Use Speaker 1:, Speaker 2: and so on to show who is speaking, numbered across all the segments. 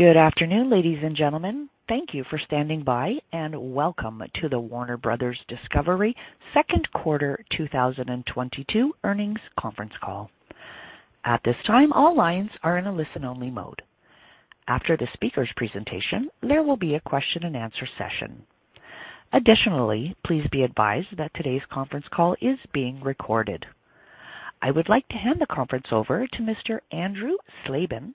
Speaker 1: Good afternoon, ladies and gentlemen. Thank you for standing by, and welcome to the Warner Bros. Discovery Second Quarter 2022 Earnings Conference Call. At this time, all lines are in a listen-only mode. After the speaker's presentation, there will be a question-and-answer session. Additionally, please be advised that today's conference call is being recorded. I would like to hand the conference over to Mr. Andrew Slabin,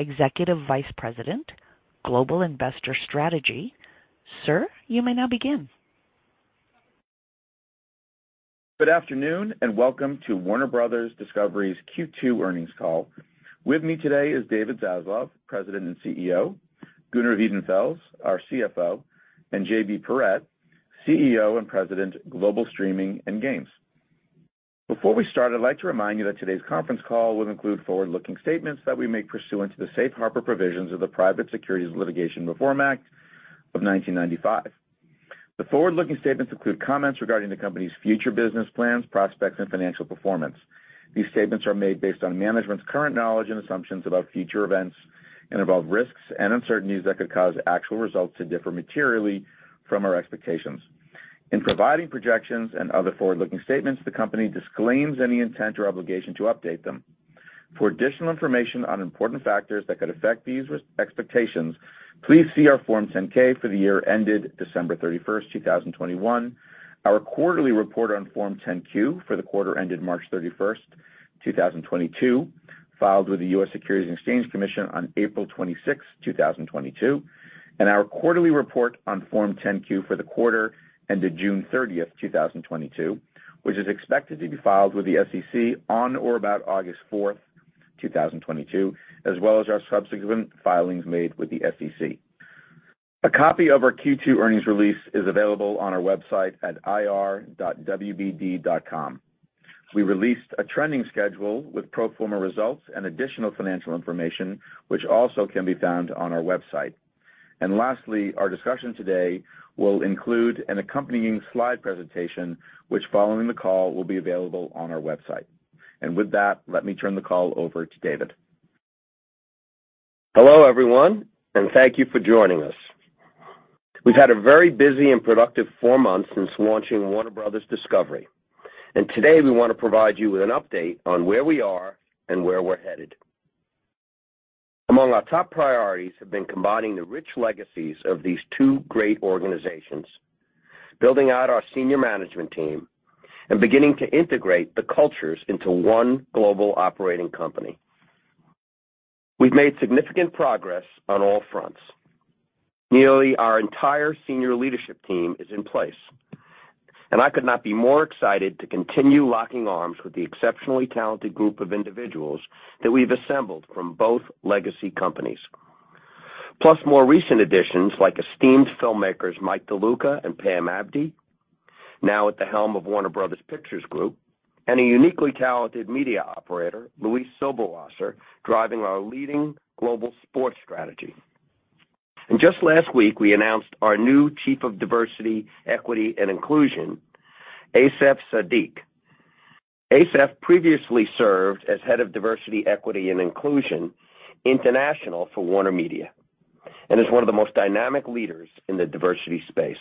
Speaker 1: Executive Vice President, Global Investor Strategy. Sir, you may now begin.
Speaker 2: Good afternoon, and welcome to Warner Bros. Discovery's Q2 Earnings Call. With me today is David Zaslav, President and CEO, Gunnar Wiedenfels, our CFO, and JB Perrette, CEO and President, Global Streaming and Games. Before we start, I'd like to remind you that today's conference call will include forward-looking statements that we make pursuant to the safe harbor provisions of the Private Securities Litigation Reform Act of 1995. The forward-looking statements include comments regarding the company's future business plans, prospects, and financial performance. These statements are made based on management's current knowledge and assumptions about future events and about risks and uncertainties that could cause actual results to differ materially from our expectations. In providing projections and other forward-looking statements, the company disclaims any intent or obligation to update them. For additional information on important factors that could affect these expectations, please see our Form 10-K for the year ended December 31st, 2021, our quarterly report on Form 10-Q for the quarter ended March 31st, 2022, filed with the U.S. Securities and Exchange Commission on April 26th, 2022, and our quarterly report on Form 10-Q for the quarter ended June 30th, 2022, which is expected to be filed with the SEC on or about August 4th, 2022, as well as our subsequent filings made with the SEC. A copy of our Q2 earnings release is available on our website at ir.wbd.com. We released a trending schedule with pro forma results and additional financial information, which also can be found on our website. Lastly, our discussion today will include an accompanying slide presentation, which, following the call, will be available on our website. With that, let me turn the call over to David.
Speaker 3: Hello, everyone, and thank you for joining us. We've had a very busy and productive four months since launching Warner Bros. Discovery. Today, we want to provide you with an update on where we are and where we're headed. Among our top priorities have been combining the rich legacies of these two great organizations, building out our senior management team and beginning to integrate the cultures into one global operating company. We've made significant progress on all fronts. Nearly our entire senior leadership team is in place, and I could not be more excited to continue locking arms with the exceptionally talented group of individuals that we've assembled from both legacy companies. Plus more recent additions like esteemed filmmakers Mike De Luca and Pam Abdy, now at the helm of Warner Bros. Pictures Group, and a uniquely talented media operator, Luis Silberwasser, driving our leading global sports strategy. Just last week, we announced our new Chief of Diversity, Equity, and Inclusion, Asif Sadiq. Asif previously served as Head of Diversity, Equity, and Inclusion International for WarnerMedia and is one of the most dynamic leaders in the diversity space.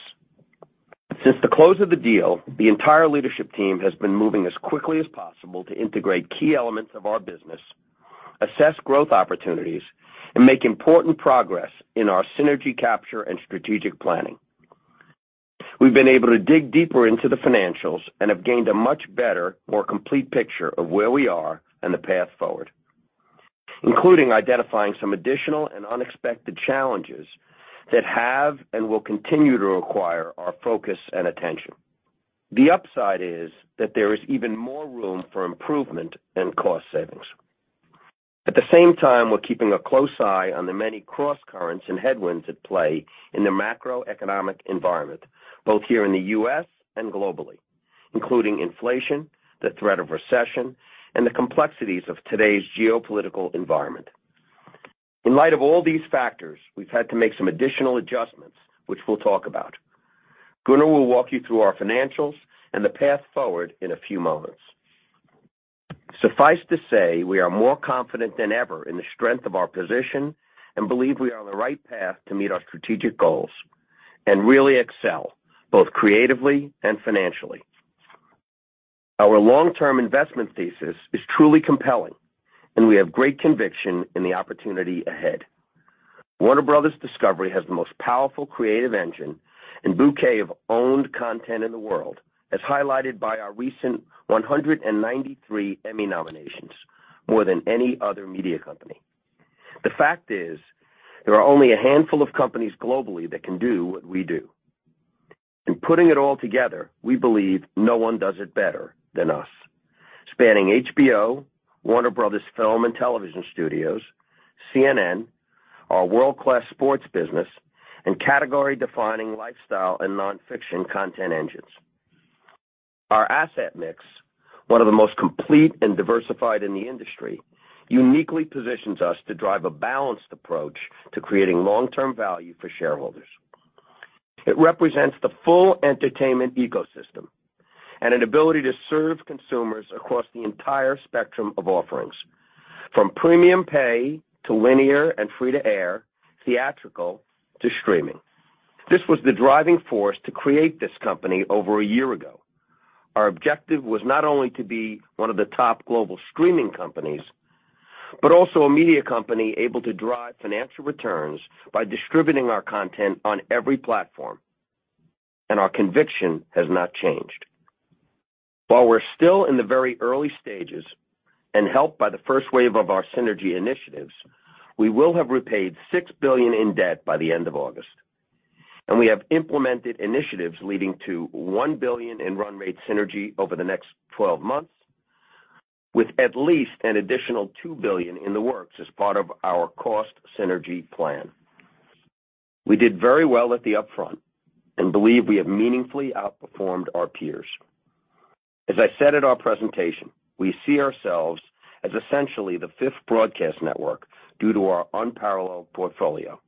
Speaker 3: Since the close of the deal, the entire leadership team has been moving as quickly as possible to integrate key elements of our business, assess growth opportunities, and make important progress in our synergy capture and strategic planning. We've been able to dig deeper into the financials and have gained a much better, more complete picture of where we are and the path forward, including identifying some additional and unexpected challenges that have and will continue to require our focus and attention. The upside is that there is even more room for improvement and cost savings. At the same time, we're keeping a close eye on the many crosscurrents and headwinds at play in the macroeconomic environment, both here in the U.S. and globally, including inflation, the threat of recession, and the complexities of today's geopolitical environment. In light of all these factors, we've had to make some additional adjustments, which we'll talk about. Gunnar will walk you through our financials and the path forward in a few moments. Suffice to say we are more confident than ever in the strength of our position and believe we are on the right path to meet our strategic goals and really excel both creatively and financially. Our long-term investment thesis is truly compelling, and we have great conviction in the opportunity ahead. Warner Bros. Discovery has the most powerful creative engine and bouquet of owned content in the world, as highlighted by our recent 193 Emmy nominations, more than any other media company. The fact is there are only a handful of companies globally that can do what we do. Putting it all together, we believe no one does it better than us. Spanning HBO, Warner Bros. Film and Television Studios, CNN, our world-class sports business, and category-defining lifestyle and non-fiction content engines. Our asset mix, one of the most complete and diversified in the industry, uniquely positions us to drive a balanced approach to creating long-term value for shareholders. It represents the full entertainment ecosystem and an ability to serve consumers across the entire spectrum of offerings, from premium pay to linear and free-to-air, theatrical to streaming. This was the driving force to create this company over a year ago. Our objective was not only to be one of the top global streaming companies, but also a media company able to drive financial returns by distributing our content on every platform. Our conviction has not changed. While we're still in the very early stages and helped by the first wave of our synergy initiatives, we will have repaid $6 billion in debt by the end of August, and we have implemented initiatives leading to $1 billion in run rate synergy over the next 12 months, with at least an additional $2 billion in the works as part of our cost synergy plan. We did very well at the upfront and believe we have meaningfully outperformed our peers. As I said at our presentation, we see ourselves as essentially the fifth broadcast network due to our unparalleled portfolio.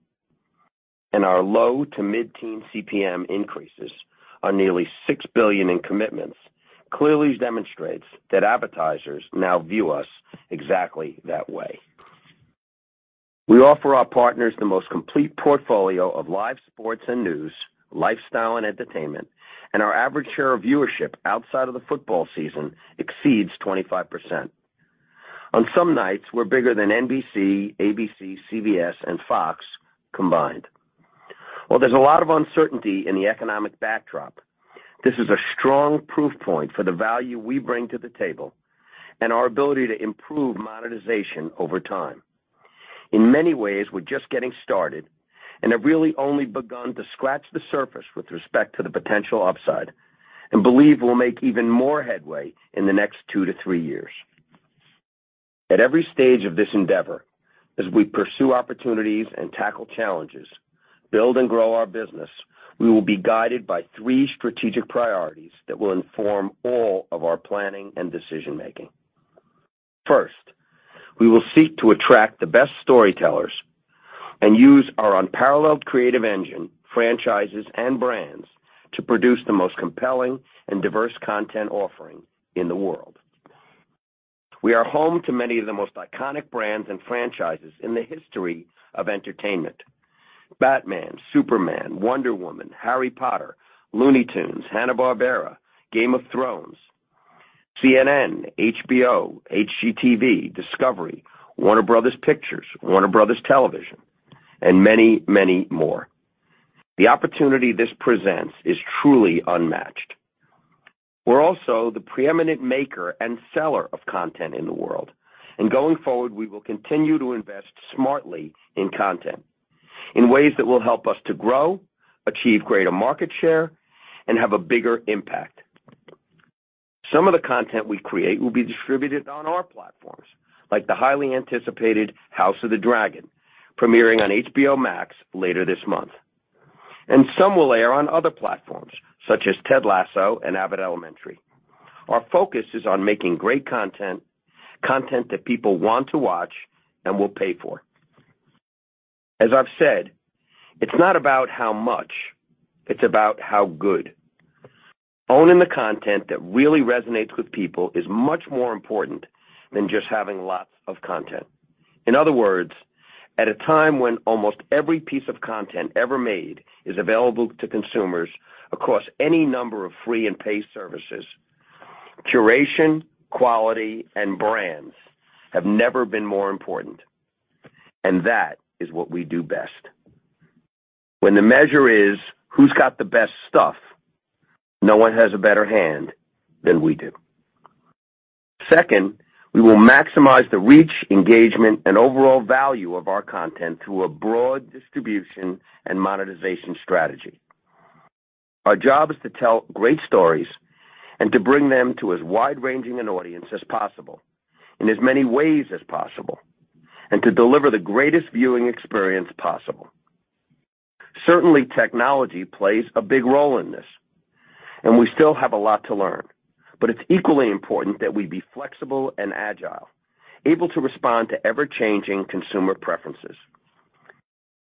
Speaker 3: Our low to mid-teen CPM increases on nearly $6 billion in commitments clearly demonstrates that advertisers now view us exactly that way. We offer our partners the most complete portfolio of live sports and news, lifestyle and entertainment, and our average share of viewership outside of the football season exceeds 25%. On some nights, we're bigger than NBC, ABC, CBS, and Fox combined. While there's a lot of uncertainty in the economic backdrop, this is a strong proof point for the value we bring to the table and our ability to improve monetization over time. In many ways, we're just getting started and have really only begun to scratch the surface with respect to the potential upside and believe we'll make even more headway in the next two to three years. At every stage of this endeavor, as we pursue opportunities and tackle challenges, build and grow our business, we will be guided by three strategic priorities that will inform all of our planning and decision making. First, we will seek to attract the best storytellers and use our unparalleled creative engine, franchises, and brands to produce the most compelling and diverse content offering in the world. We are home to many of the most iconic brands and franchises in the history of entertainment. Batman, Superman, Wonder Woman, Harry Potter, Looney Tunes, Hanna-Barbera, Game of Thrones, CNN, HBO, HGTV, Discovery, Warner Bros. Pictures, Warner Bros. Television, and many, many more. The opportunity this presents is truly unmatched. We're also the preeminent maker and seller of content in the world. Going forward, we will continue to invest smartly in content in ways that will help us to grow, achieve greater market share, and have a bigger impact. Some of the content we create will be distributed on our platforms, like the highly anticipated House of the Dragon, premiering on HBO Max later this month. Some will air on other platforms such as Ted Lasso and Abbott Elementary. Our focus is on making great content that people want to watch and will pay for. As I've said, it's not about how much, it's about how good. Owning the content that really resonates with people is much more important than just having lots of content. In other words, at a time when almost every piece of content ever made is available to consumers across any number of free and paid services, curation, quality, and brands have never been more important, and that is what we do best. When the measure is who's got the best stuff, no one has a better hand than we do. Second, we will maximize the reach, engagement, and overall value of our content through a broad distribution and monetization strategy. Our job is to tell great stories and to bring them to as wide-ranging an audience as possible in as many ways as possible, and to deliver the greatest viewing experience possible. Certainly, technology plays a big role in this, and we still have a lot to learn, but it's equally important that we be flexible and agile, able to respond to ever-changing consumer preferences.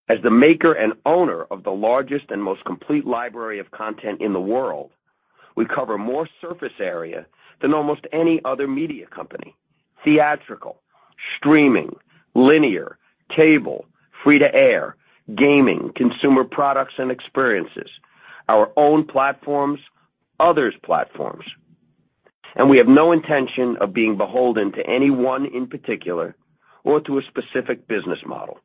Speaker 3: As the maker and owner of the largest and most complete library of content in the world, we cover more surface area than almost any other media company. Theatrical, streaming, linear, cable, free-to-air, gaming, consumer products and experiences, our own platforms, others' platforms, and we have no intention of being beholden to any one in particular or to a specific business model.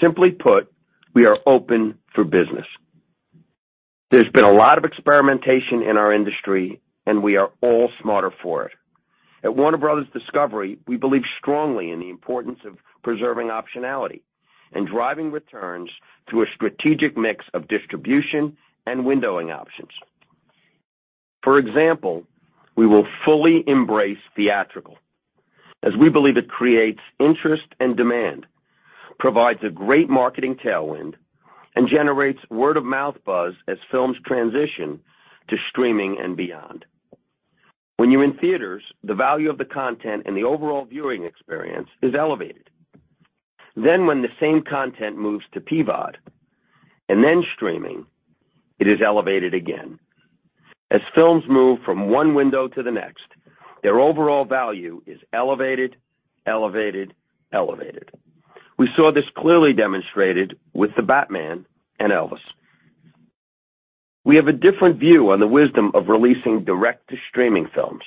Speaker 3: Simply put, we are open for business. There's been a lot of experimentation in our industry, and we are all smarter for it. At Warner Bros. Discovery, we believe strongly in the importance of preserving optionality and driving returns through a strategic mix of distribution and windowing options. For example, we will fully embrace theatrical as we believe it creates interest and demand, provides a great marketing tailwind, and generates word-of-mouth buzz as films transition to streaming and beyond. When you're in theaters, the value of the content and the overall viewing experience is elevated. Then when the same content moves to PVOD and then streaming, it is elevated again. As films move from one window to the next, their overall value is elevated. We saw this clearly demonstrated with The Batman and Elvis. We have a different view on the wisdom of releasing direct-to-streaming films,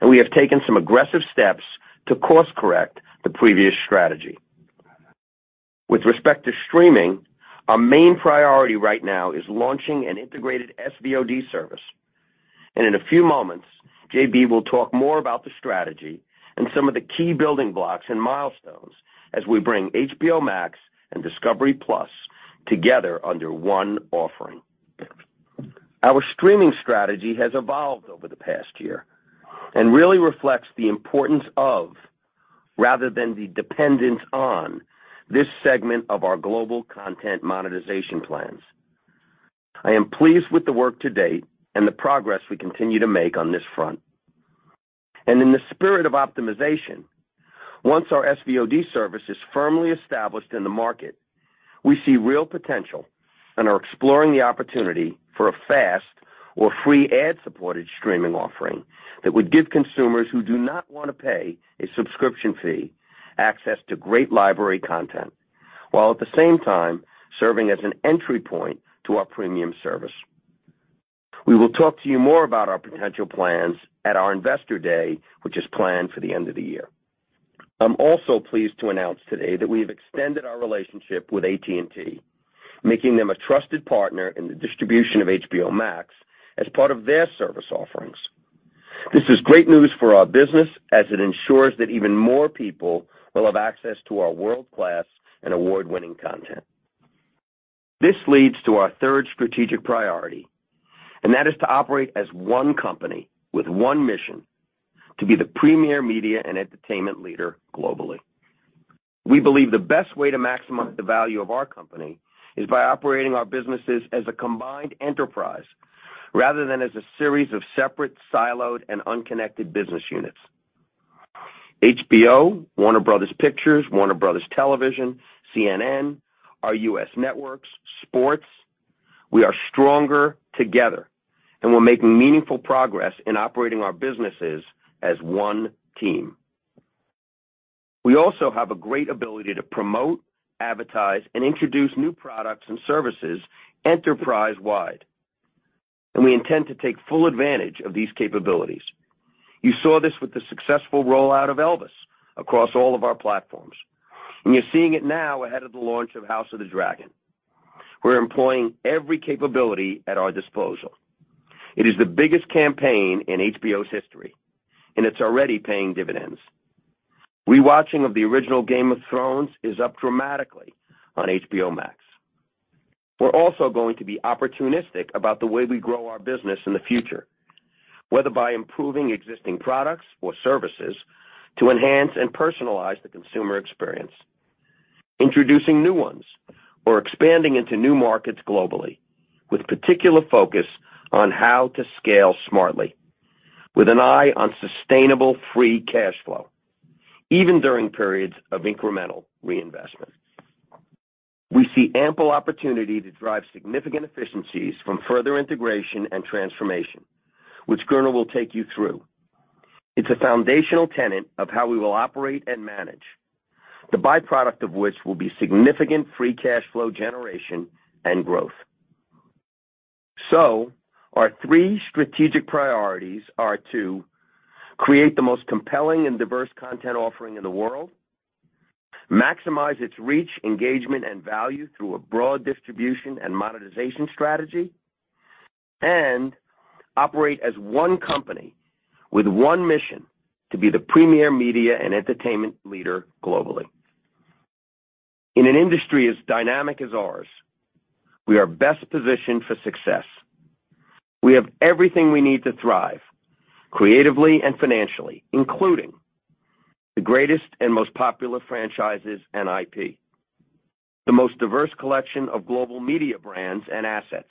Speaker 3: and we have taken some aggressive steps to course-correct the previous strategy. With respect to streaming, our main priority right now is launching an integrated SVOD service. In a few moments, JB will talk more about the strategy and some of the key building blocks and milestones as we bring HBO Max and discovery+ together under one offering. Our streaming strategy has evolved over the past year and really reflects the importance of, rather than the dependence on, this segment of our global content monetization plans. I am pleased with the work to date and the progress we continue to make on this front. In the spirit of optimization, once our SVOD service is firmly established in the market, we see real potential and are exploring the opportunity for a FAST or free ad-supported streaming offering that would give consumers who do not wanna pay a subscription fee access to great library content, while at the same time, serving as an entry point to our premium service. We will talk to you more about our potential plans at our investor day, which is planned for the end of the year. I'm also pleased to announce today that we have extended our relationship with AT&T, making them a trusted partner in the distribution of HBO Max as part of their service offerings. This is great news for our business as it ensures that even more people will have access to our world-class and award-winning content. This leads to our third strategic priority, and that is to operate as one company with one mission, to be the premier media and entertainment leader globally. We believe the best way to maximize the value of our company is by operating our businesses as a combined enterprise rather than as a series of separate, siloed, and unconnected business units. HBO, Warner Bros. Pictures, Warner Bros. Television, CNN, our U.S. networks, sports, we are stronger together, and we're making meaningful progress in operating our businesses as one team. We also have a great ability to promote, advertise, and introduce new products and services enterprise-wide, and we intend to take full advantage of these capabilities. You saw this with the successful rollout of Elvis across all of our platforms, and you're seeing it now ahead of the launch of House of the Dragon. We're employing every capability at our disposal. It is the biggest campaign in HBO's history, and it's already paying dividends. Re-watching of the original Game of Thrones is up dramatically on HBO Max. We're also going to be opportunistic about the way we grow our business in the future, whether by improving existing products or services to enhance and personalize the consumer experience, introducing new ones, or expanding into new markets globally with particular focus on how to scale smartly with an eye on sustainable free cash flow, even during periods of incremental reinvestment. We see ample opportunity to drive significant efficiencies from further integration and transformation, which Gunnar will take you through. It's a foundational tenet of how we will operate and manage, the byproduct of which will be significant free cash flow generation and growth. Our three strategic priorities are to create the most compelling and diverse content offering in the world, maximize its reach, engagement, and value through a broad distribution and monetization strategy, and operate as one company with one mission to be the premier media and entertainment leader globally. In an industry as dynamic as ours, we are best positioned for success. We have everything we need to thrive, creatively and financially, including the greatest and most popular franchises and IP, the most diverse collection of global media brands and assets,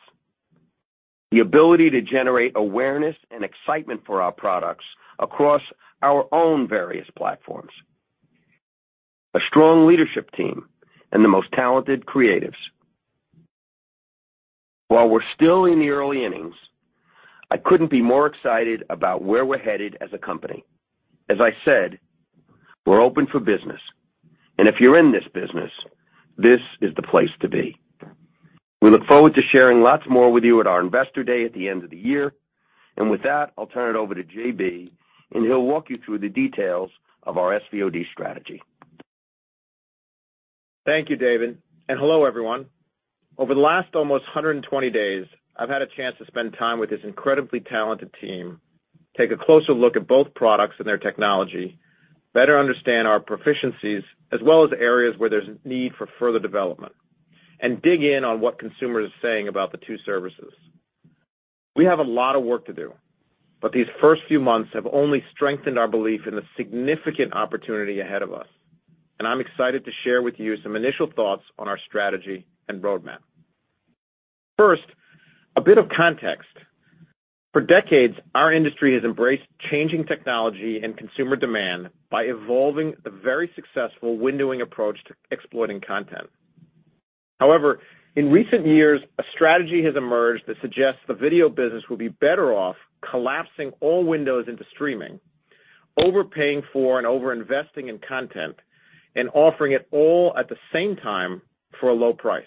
Speaker 3: the ability to generate awareness and excitement for our products across our own various platforms, a strong leadership team, and the most talented creatives. While we're still in the early innings, I couldn't be more excited about where we're headed as a company. As I said, we're open for business, and if you're in this business, this is the place to be. We look forward to sharing lots more with you at our investor day at the end of the year. With that, I'll turn it over to JB, and he'll walk you through the details of our SVOD strategy.
Speaker 4: Thank you, David, and hello, everyone. Over the last almost 100 days, I've had a chance to spend time with this incredibly talented team, take a closer look at both products and their technology, better understand our proficiencies as well as areas where there's need for further development, and dig in on what consumers are saying about the two services. We have a lot of work to do, but these first few months have only strengthened our belief in the significant opportunity ahead of us, and I'm excited to share with you some initial thoughts on our strategy and roadmap. First, a bit of context. For decades, our industry has embraced changing technology and consumer demand by evolving the very successful windowing approach to exploiting content. However, in recent years, a strategy has emerged that suggests the video business will be better off collapsing all windows into streaming, overpaying for and over-investing in content and offering it all at the same time for a low price.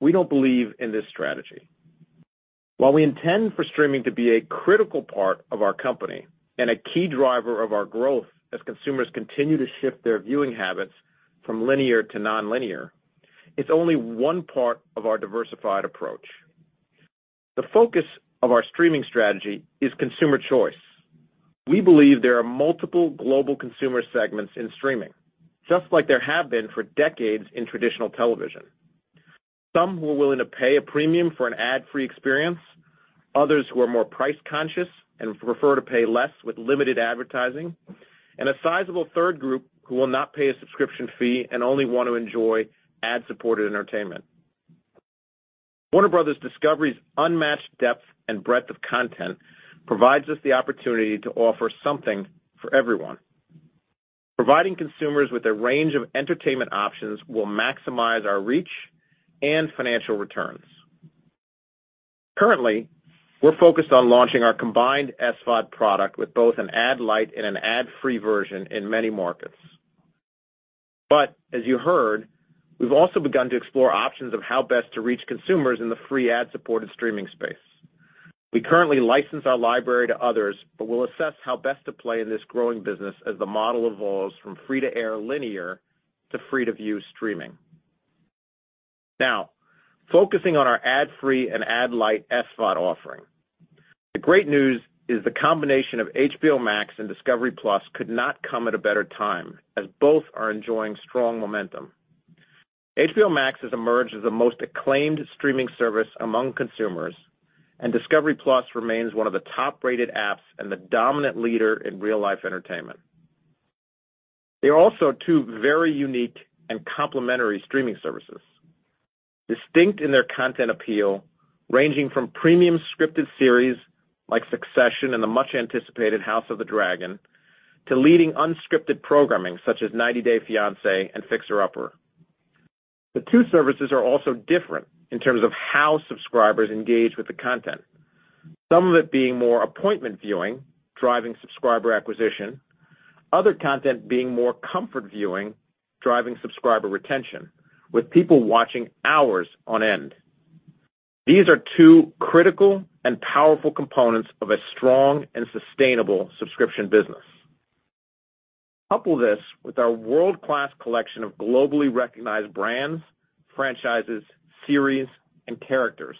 Speaker 4: We don't believe in this strategy. While we intend for streaming to be a critical part of our company and a key driver of our growth as consumers continue to shift their viewing habits from linear to nonlinear, it's only one part of our diversified approach. The focus of our streaming strategy is consumer choice. We believe there are multiple global consumer segments in streaming, just like there have been for decades in traditional television. Some who are willing to pay a premium for an ad-free experience, others who are more price conscious and prefer to pay less with limited advertising, and a sizable third group who will not pay a subscription fee and only want to enjoy ad-supported entertainment. Warner Bros. Discovery's unmatched depth and breadth of content provides us the opportunity to offer something for everyone. Providing consumers with a range of entertainment options will maximize our reach and financial returns. Currently, we're focused on launching our combined SVOD product with both an ad light and an ad-free version in many markets. As you heard, we've also begun to explore options of how best to reach consumers in the free ad-supported streaming space. We currently license our library to others, but we'll assess how best to play in this growing business as the model evolves from free to air linear to free to view streaming. Now, focusing on our ad free and ad light SVOD offering. The great news is the combination of HBO Max and Discovery+ could not come at a better time as both are enjoying strong momentum. HBO Max has emerged as the most acclaimed streaming service among consumers, and Discovery+ remains one of the top-rated apps and the dominant leader in real-life entertainment. They are also two very unique and complementary streaming services, distinct in their content appeal, ranging from premium scripted series like Succession and the much anticipated House of the Dragon to leading unscripted programming such as 90 Day Fiancé and Fixer Upper. The two services are also different in terms of how subscribers engage with the content, some of it being more appointment viewing, driving subscriber acquisition, other content being more comfort viewing, driving subscriber retention, with people watching hours on end. These are two critical and powerful components of a strong and sustainable subscription business. Couple this with our world-class collection of globally recognized brands, franchises, series, and characters.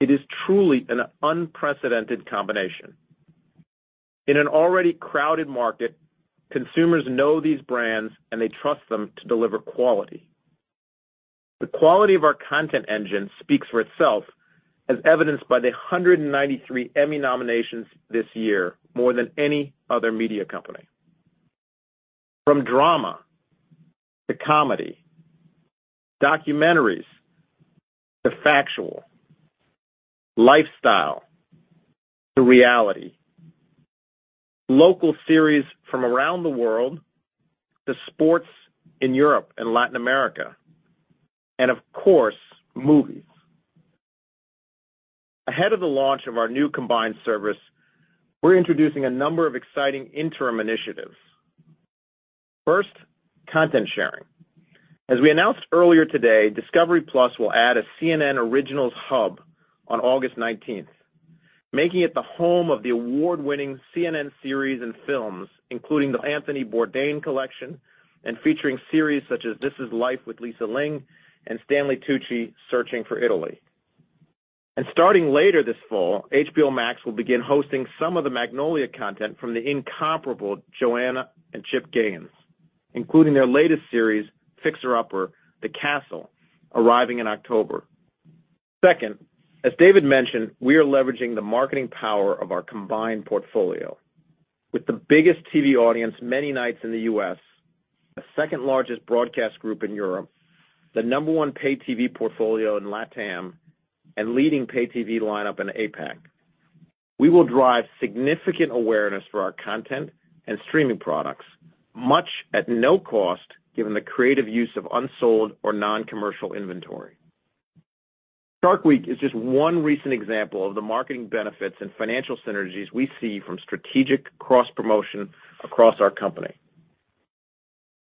Speaker 4: It is truly an unprecedented combination. In an already crowded market, consumers know these brands and they trust them to deliver quality. The quality of our content engine speaks for itself as evidenced by the 193 Emmy nominations this year, more than any other media company. From drama to comedy, documentaries to factual, lifestyle to reality, local series from around the world to sports in Europe and Latin America, and of course, movies. Ahead of the launch of our new combined service, we're introducing a number of exciting interim initiatives. First, content sharing. As we announced earlier today, discovery+ will add a CNN Originals hub on August nineteenth, making it the home of the award-winning CNN series and films, including the Anthony Bourdain collection and featuring series such as This Is Life with Lisa Ling and Stanley Tucci: Searching for Italy. Starting later this fall, HBO Max will begin hosting some of the Magnolia content from the incomparable Joanna and Chip Gaines, including their latest series, Fixer Upper: The Castle, arriving in October. Second, as David mentioned, we are leveraging the marketing power of our combined portfolio. With the biggest TV audience many nights in the U.S., the second largest broadcast group in Europe, the number one pay TV portfolio in LATAM, and leading pay TV lineup in APAC. We will drive significant awareness for our content and streaming products, much at no cost, given the creative use of unsold or non-commercial inventory. Shark Week is just one recent example of the marketing benefits and financial synergies we see from strategic cross-promotion across our company.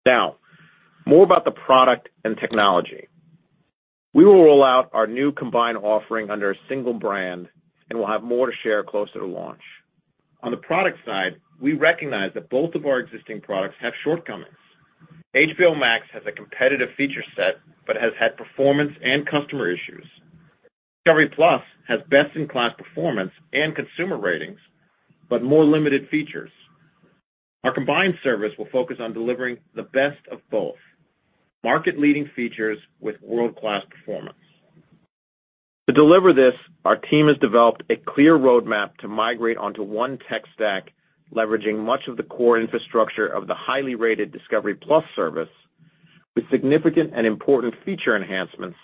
Speaker 4: Now, more about the product and technology. We will roll out our new combined offering under a single brand, and we'll have more to share closer to launch. On the product side, we recognize that both of our existing products have shortcomings. HBO Max has a competitive feature set but has had performance and customer issues. discovery+ has best in class performance and consumer ratings, but more limited features. Our combined service will focus on delivering the best of both, market-leading features with world-class performance. To deliver this, our team has developed a clear roadmap to migrate onto one tech stack, leveraging much of the core infrastructure of the highly rated discovery+ service with significant and important feature enhancements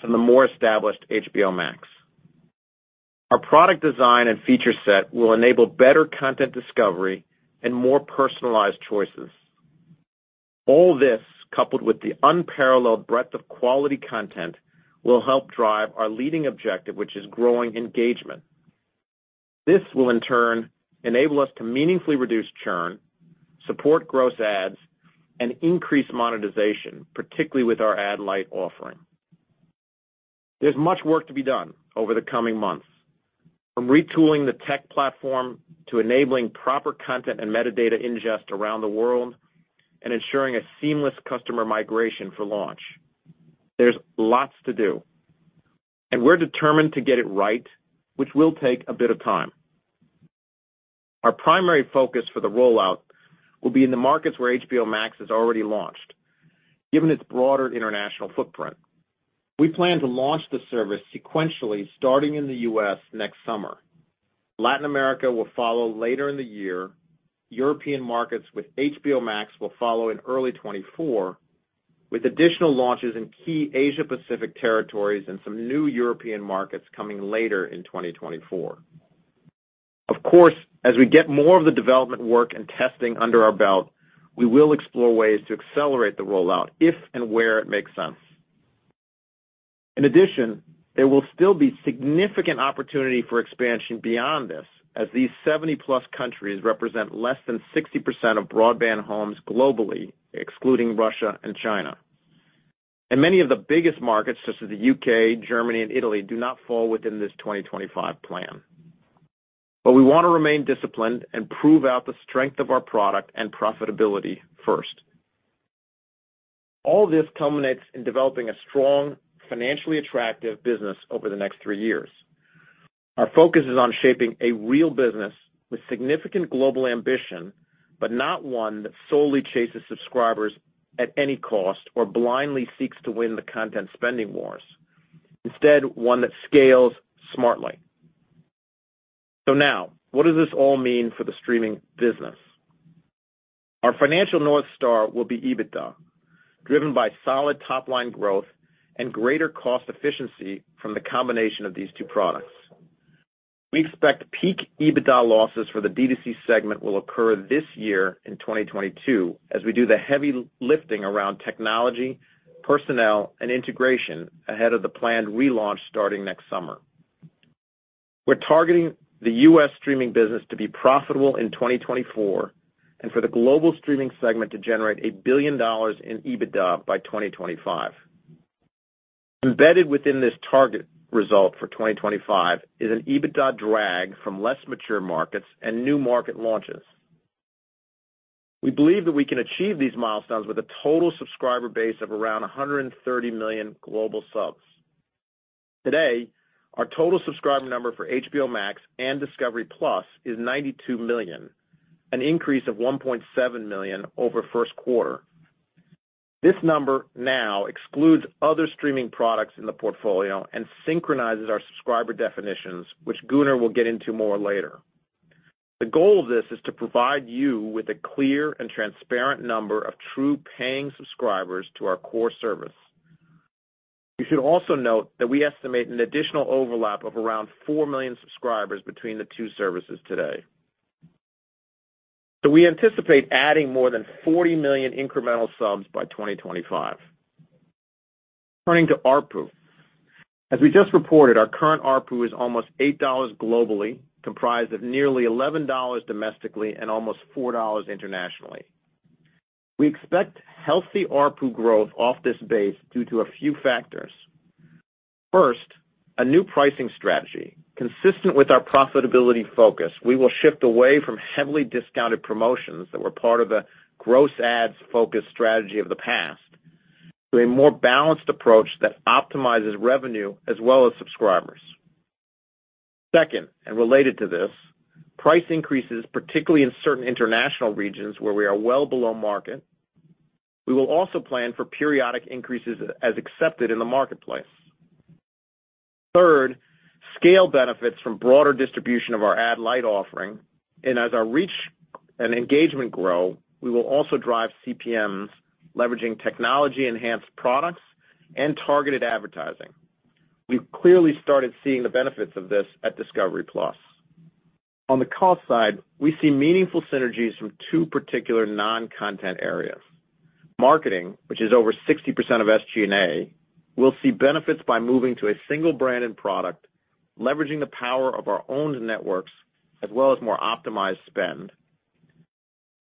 Speaker 4: from the more established HBO Max. Our product design and feature set will enable better content discovery and more personalized choices. All this, coupled with the unparalleled breadth of quality content, will help drive our leading objective, which is growing engagement. This will, in turn, enable us to meaningfully reduce churn, support gross ads, and increase monetization, particularly with our ad light offering. There's much work to be done over the coming months, from retooling the tech platform to enabling proper content and metadata ingest around the world and ensuring a seamless customer migration for launch. There's lots to do, and we're determined to get it right, which will take a bit of time. Our primary focus for the rollout will be in the markets where HBO Max has already launched, given its broader international footprint. We plan to launch the service sequentially starting in the U.S. next summer. Latin America will follow later in the year. European markets with HBO Max will follow in early 2024, with additional launches in key Asia-Pacific territories and some new European markets coming later in 2024. Of course, as we get more of the development work and testing under our belt, we will explore ways to accelerate the rollout if and where it makes sense. In addition, there will still be significant opportunity for expansion beyond this as these 70-plus countries represent less than 60% of broadband homes globally, excluding Russia and China. Many of the biggest markets, such as the UK, Germany, and Italy, do not fall within this 2025 plan. We wanna remain disciplined and prove out the strength of our product and profitability first. All this culminates in developing a strong, financially attractive business over the next three years. Our focus is on shaping a real business with significant global ambition, but not one that solely chases subscribers at any cost or blindly seeks to win the content spending wars. Instead, one that scales smartly. Now, what does this all mean for the streaming business? Our financial North Star will be EBITDA, driven by solid top-line growth and greater cost efficiency from the combination of these two products. We expect peak EBITDA losses for the D2C segment will occur this year in 2022, as we do the heavy lifting around technology, personnel, and integration ahead of the planned relaunch starting next summer. We're targeting the U.S. streaming business to be profitable in 2024 and for the global streaming segment to generate $1 billion in EBITDA by 2025. Embedded within this target result for 2025 is an EBITDA drag from less mature markets and new market launches. We believe that we can achieve these milestones with a total subscriber base of around 130 million global subs. Today, our total subscriber number for HBO Max and Discovery+ is 92 million, an increase of 1.7 million over first quarter. This number now excludes other streaming products in the portfolio and synchronizes our subscriber definitions, which Gunnar will get into more later. The goal of this is to provide you with a clear and transparent number of true paying subscribers to our core service. You should also note that we estimate an additional overlap of around 4 million subscribers between the two services today. We anticipate adding more than 40 million incremental subs by 2025. Turning to ARPU. As we just reported, our current ARPU is almost $8 globally, comprised of nearly $11 domestically and almost $4 internationally. We expect healthy ARPU growth off this base due to a few factors. First, a new pricing strategy. Consistent with our profitability focus, we will shift away from heavily discounted promotions that were part of the gross ads focused strategy of the past to a more balanced approach that optimizes revenue as well as subscribers. Second, and related to this, price increases, particularly in certain international regions where we are well below market. We will also plan for periodic increases as accepted in the marketplace. Third, scale benefits from broader distribution of our ad light offering. As our reach and engagement grow, we will also drive CPMs leveraging technology-enhanced products and targeted advertising. We've clearly started seeing the benefits of this at Discovery+. On the cost side, we see meaningful synergies from two particular non-content areas. Marketing, which is over 60% of SG&A, will see benefits by moving to a single brand and product, leveraging the power of our own networks as well as more optimized spend.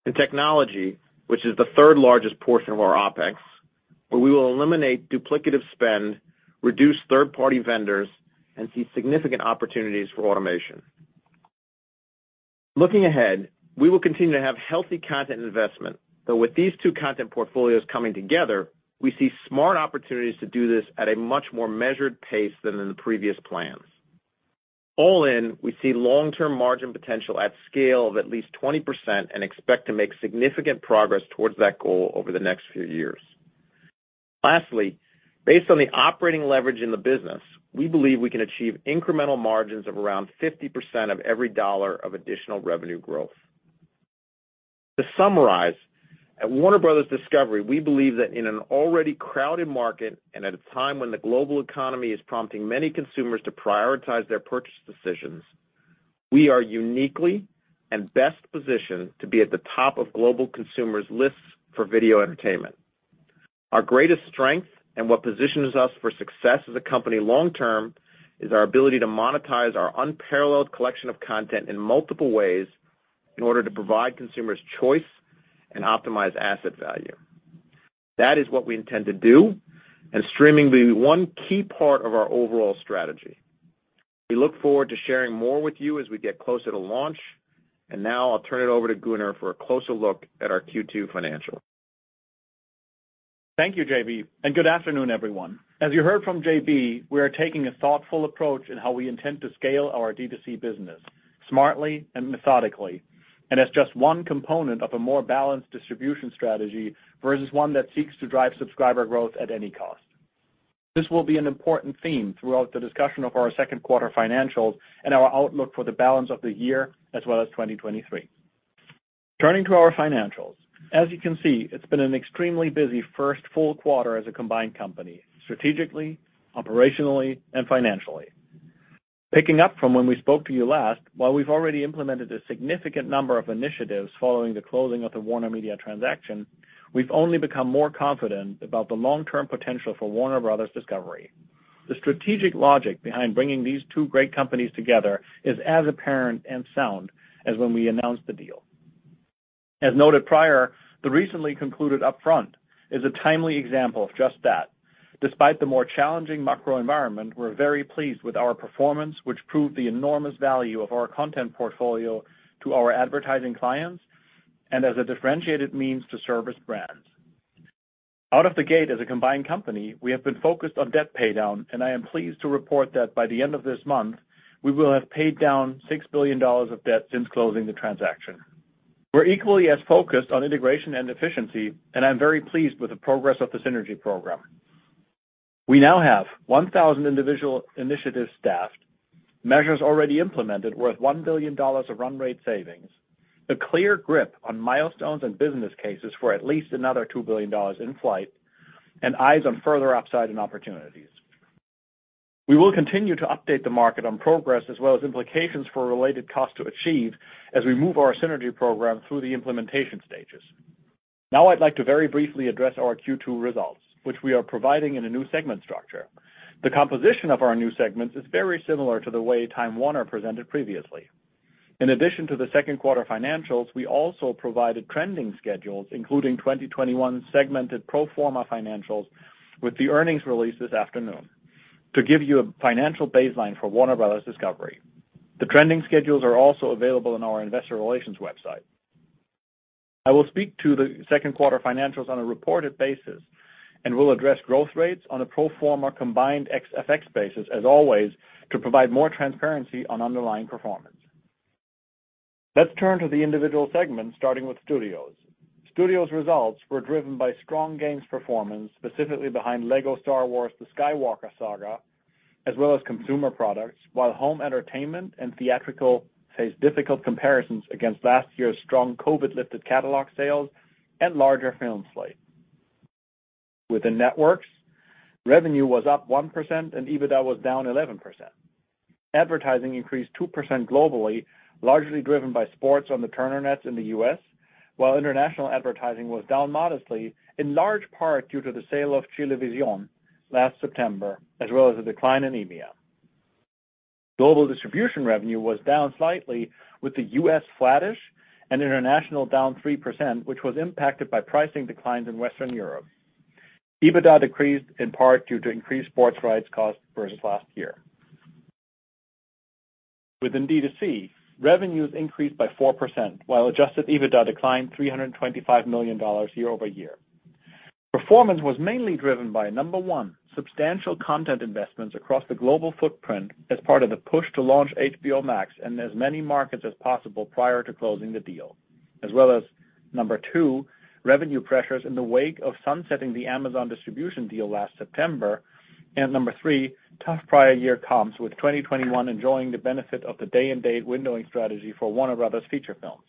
Speaker 4: In technology, which is the third largest portion of our OPEX, where we will eliminate duplicative spend, reduce third-party vendors, and see significant opportunities for automation. Looking ahead, we will continue to have healthy content investment. With these two content portfolios coming together, we see smart opportunities to do this at a much more measured pace than in the previous plans. All in, we see long-term margin potential at scale of at least 20% and expect to make significant progress towards that goal over the next few years. Lastly, based on the operating leverage in the business, we believe we can achieve incremental margins of around 50% of every dollar of additional revenue growth. To summarize, at Warner Bros. Discovery, we believe that in an already crowded market and at a time when the global economy is prompting many consumers to prioritize their purchase decisions, we are uniquely and best positioned to be at the top of global consumers' lists for video entertainment. Our greatest strength and what positions us for success as a company long term is our ability to monetize our unparalleled collection of content in multiple ways in order to provide consumers choice and optimize asset value. That is what we intend to do, and streaming will be one key part of our overall strategy. We look forward to sharing more with you as we get closer to launch. Now I'll turn it over to Gunnar for a closer look at our Q2 financials.
Speaker 5: Thank you, JB, and good afternoon, everyone. As you heard from JB, we are taking a thoughtful approach in how we intend to scale our D2C business smartly and methodically, and as just one component of a more balanced distribution strategy versus one that seeks to drive subscriber growth at any cost. This will be an important theme throughout the discussion of our second quarter financials and our outlook for the balance of the year as well as 2023. Turning to our financials. As you can see, it's been an extremely busy first full quarter as a combined company, strategically, operationally, and financially. Picking up from when we spoke to you last, while we've already implemented a significant number of initiatives following the closing of the WarnerMedia transaction, we've only become more confident about the long-term potential for Warner Bros. Discovery. The strategic logic behind bringing these two great companies together is as apparent and sound as when we announced the deal. As noted prior, the recently concluded upfront is a timely example of just that. Despite the more challenging macro environment, we're very pleased with our performance, which proved the enormous value of our content portfolio to our advertising clients and as a differentiated means to service brands. Out of the gate as a combined company, we have been focused on debt paydown, and I am pleased to report that by the end of this month, we will have paid down $6 billion of debt since closing the transaction. We're equally as focused on integration and efficiency, and I'm very pleased with the progress of the synergy program. We now have 1,000 individual initiatives staffed, measures already implemented worth $1 billion of run rate savings, a clear grip on milestones and business cases for at least another $2 billion in flight, and eyes on further upside and opportunities. We will continue to update the market on progress as well as implications for related cost to achieve as we move our synergy program through the implementation stages. Now I'd like to very briefly address our Q2 results, which we are providing in a new segment structure. The composition of our new segments is very similar to the way Time Warner presented previously. In addition to the second quarter financials, we also provided trending schedules, including 2021 segmented pro forma financials with the earnings release this afternoon to give you a financial baseline for Warner Bros. Discovery. The trending schedules are also available on our investor relations website. I will speak to the second quarter financials on a reported basis, and we'll address growth rates on a pro forma combined XFX basis as always to provide more transparency on underlying performance. Let's turn to the individual segments, starting with studios. Studios results were driven by strong games performance, specifically behind Lego Star Wars: The Skywalker Saga, as well as consumer products, while home entertainment and theatrical faced difficult comparisons against last year's strong COVID-lifted catalog sales and larger film slate. Within networks, revenue was up 1% and EBITDA was down 11%. Advertising increased 2% globally, largely driven by sports on the Turner nets in the U.S., while international advertising was down modestly, in large part due to the sale of Chilevisión last September, as well as a decline in EMEA. Global distribution revenue was down slightly, with the US flattish and international down 3%, which was impacted by pricing declines in Western Europe. EBITDA decreased in part due to increased sports rights costs versus last year. Within D2C, revenues increased by 4%, while adjusted EBITDA declined $325 million year over year. Performance was mainly driven by, number one, substantial content investments across the global footprint as part of the push to launch HBO Max in as many markets as possible prior to closing the deal, as well as, number two, revenue pressures in the wake of sunsetting the Amazon distribution deal last September, and number three, tough prior year comps with 2021 enjoying the benefit of the day-and-date windowing strategy for Warner Bros. feature films.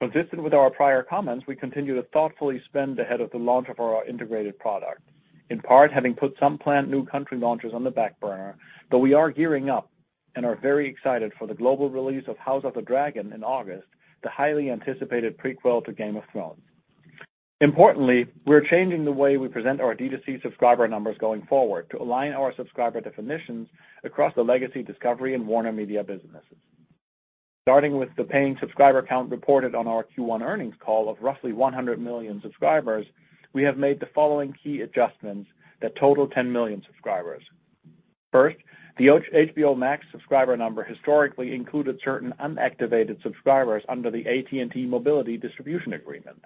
Speaker 5: Consistent with our prior comments, we continue to thoughtfully spend ahead of the launch of our integrated product, in part having put some planned new country launches on the back burner, but we are gearing up and are very excited for the global release of House of the Dragon in August, the highly anticipated prequel to Game of Thrones. Importantly, we're changing the way we present our D2C subscriber numbers going forward to align our subscriber definitions across the legacy Discovery and WarnerMedia businesses. Starting with the paying subscriber count reported on our Q1 earnings call of roughly 100 million subscribers, we have made the following key adjustments that total 10 million subscribers. First, the HBO Max subscriber number historically included certain unactivated subscribers under the AT&T Mobility distribution agreement.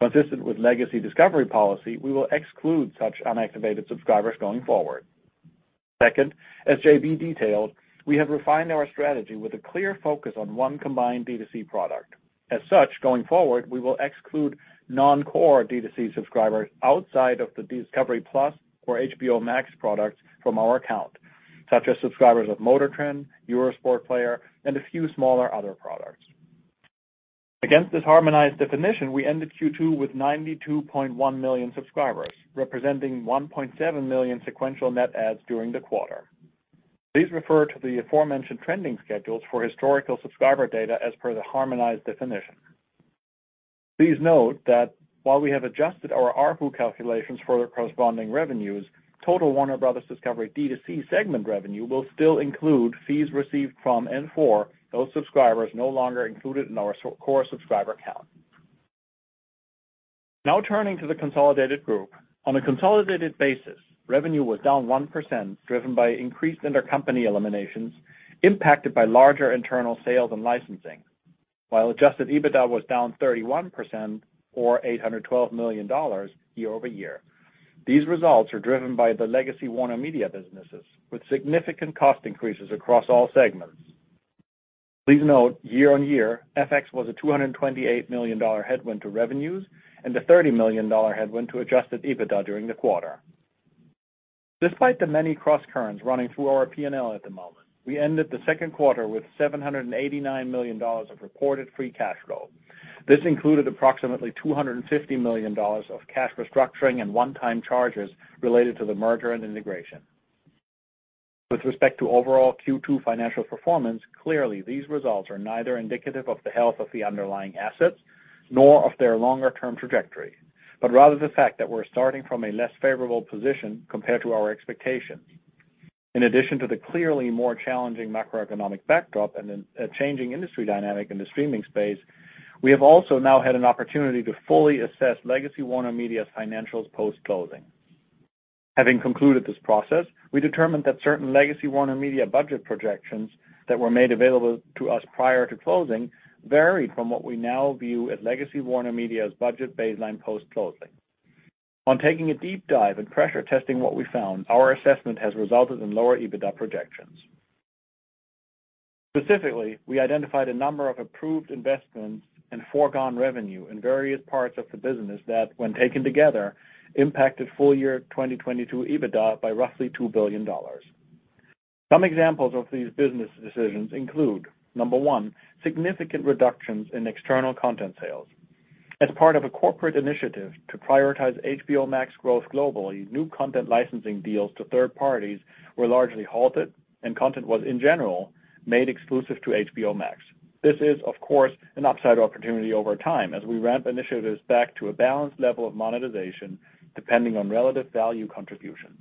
Speaker 5: Consistent with legacy Discovery policy, we will exclude such unactivated subscribers going forward. Second, as JB detailed, we have refined our strategy with a clear focus on one combined D2C product. As such, going forward, we will exclude non-core D2C subscribers outside of the Discovery+ or HBO Max products from our account, such as subscribers of MotorTrend, Eurosport Player, and a few smaller other products. Against this harmonized definition, we ended Q2 with 92.1 million subscribers, representing 1.7 million sequential net adds during the quarter. Please refer to the aforementioned trending schedules for historical subscriber data as per the harmonized definition. Please note that while we have adjusted our ARPU calculations for the corresponding revenues, total Warner Bros. Discovery D2C segment revenue will still include fees received from and for those subscribers no longer included in our non-core subscriber count. Now turning to the consolidated group. On a consolidated basis, revenue was down 1%, driven by increased intercompany eliminations impacted by larger internal sales and licensing. Adjusted EBITDA was down 31% or $812 million year-over-year. These results are driven by the legacy WarnerMedia businesses, with significant cost increases across all segments. Please note, year-over-year, FX was a $228 million headwind to revenues and a $30 million headwind to adjusted EBITDA during the quarter. Despite the many crosscurrents running through our P&L at the moment, we ended the second quarter with $789 million of reported free cash flow. This included approximately $250 million of cash restructuring and one-time charges related to the merger and integration. With respect to overall Q2 financial performance, clearly these results are neither indicative of the health of the underlying assets nor of their longer-term trajectory, but rather the fact that we're starting from a less favorable position compared to our expectations. In addition to the clearly more challenging macroeconomic backdrop and a changing industry dynamic in the streaming space, we have also now had an opportunity to fully assess legacy WarnerMedia's financials post-closing. Having concluded this process, we determined that certain legacy WarnerMedia budget projections that were made available to us prior to closing varied from what we now view as legacy WarnerMedia's budget baseline post-closing. On taking a deep dive and pressure testing what we found, our assessment has resulted in lower EBITDA projections. Specifically, we identified a number of approved investments and foregone revenue in various parts of the business that, when taken together, impacted full year 2022 EBITDA by roughly $2 billion. Some examples of these business decisions include, number one, significant reductions in external content sales. As part of a corporate initiative to prioritize HBO Max growth globally, new content licensing deals to third parties were largely halted and content was, in general, made exclusive to HBO Max. This is, of course, an upside opportunity over time as we ramp initiatives back to a balanced level of monetization depending on relative value contributions.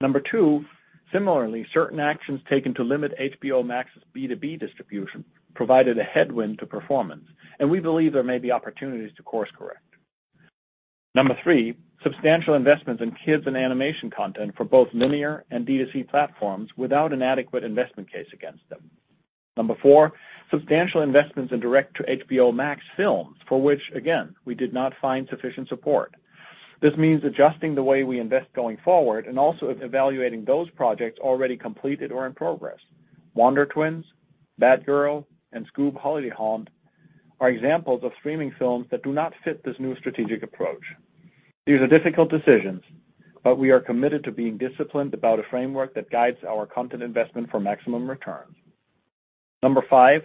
Speaker 5: Number two, similarly, certain actions taken to limit HBO Max's B2B distribution provided a headwind to performance, and we believe there may be opportunities to course correct. Number three, substantial investments in kids and animation content for both linear and D2C platforms without an adequate investment case against them. Number four, substantial investments in direct-to-HBO Max films for which, again, we did not find sufficient support. This means adjusting the way we invest going forward and also evaluating those projects already completed or in progress. Wonder Twins, Batgirl, and Scoob! Holiday Haunt are examples of streaming films that do not fit this new strategic approach. These are difficult decisions, but we are committed to being disciplined about a framework that guides our content investment for maximum returns. Number five,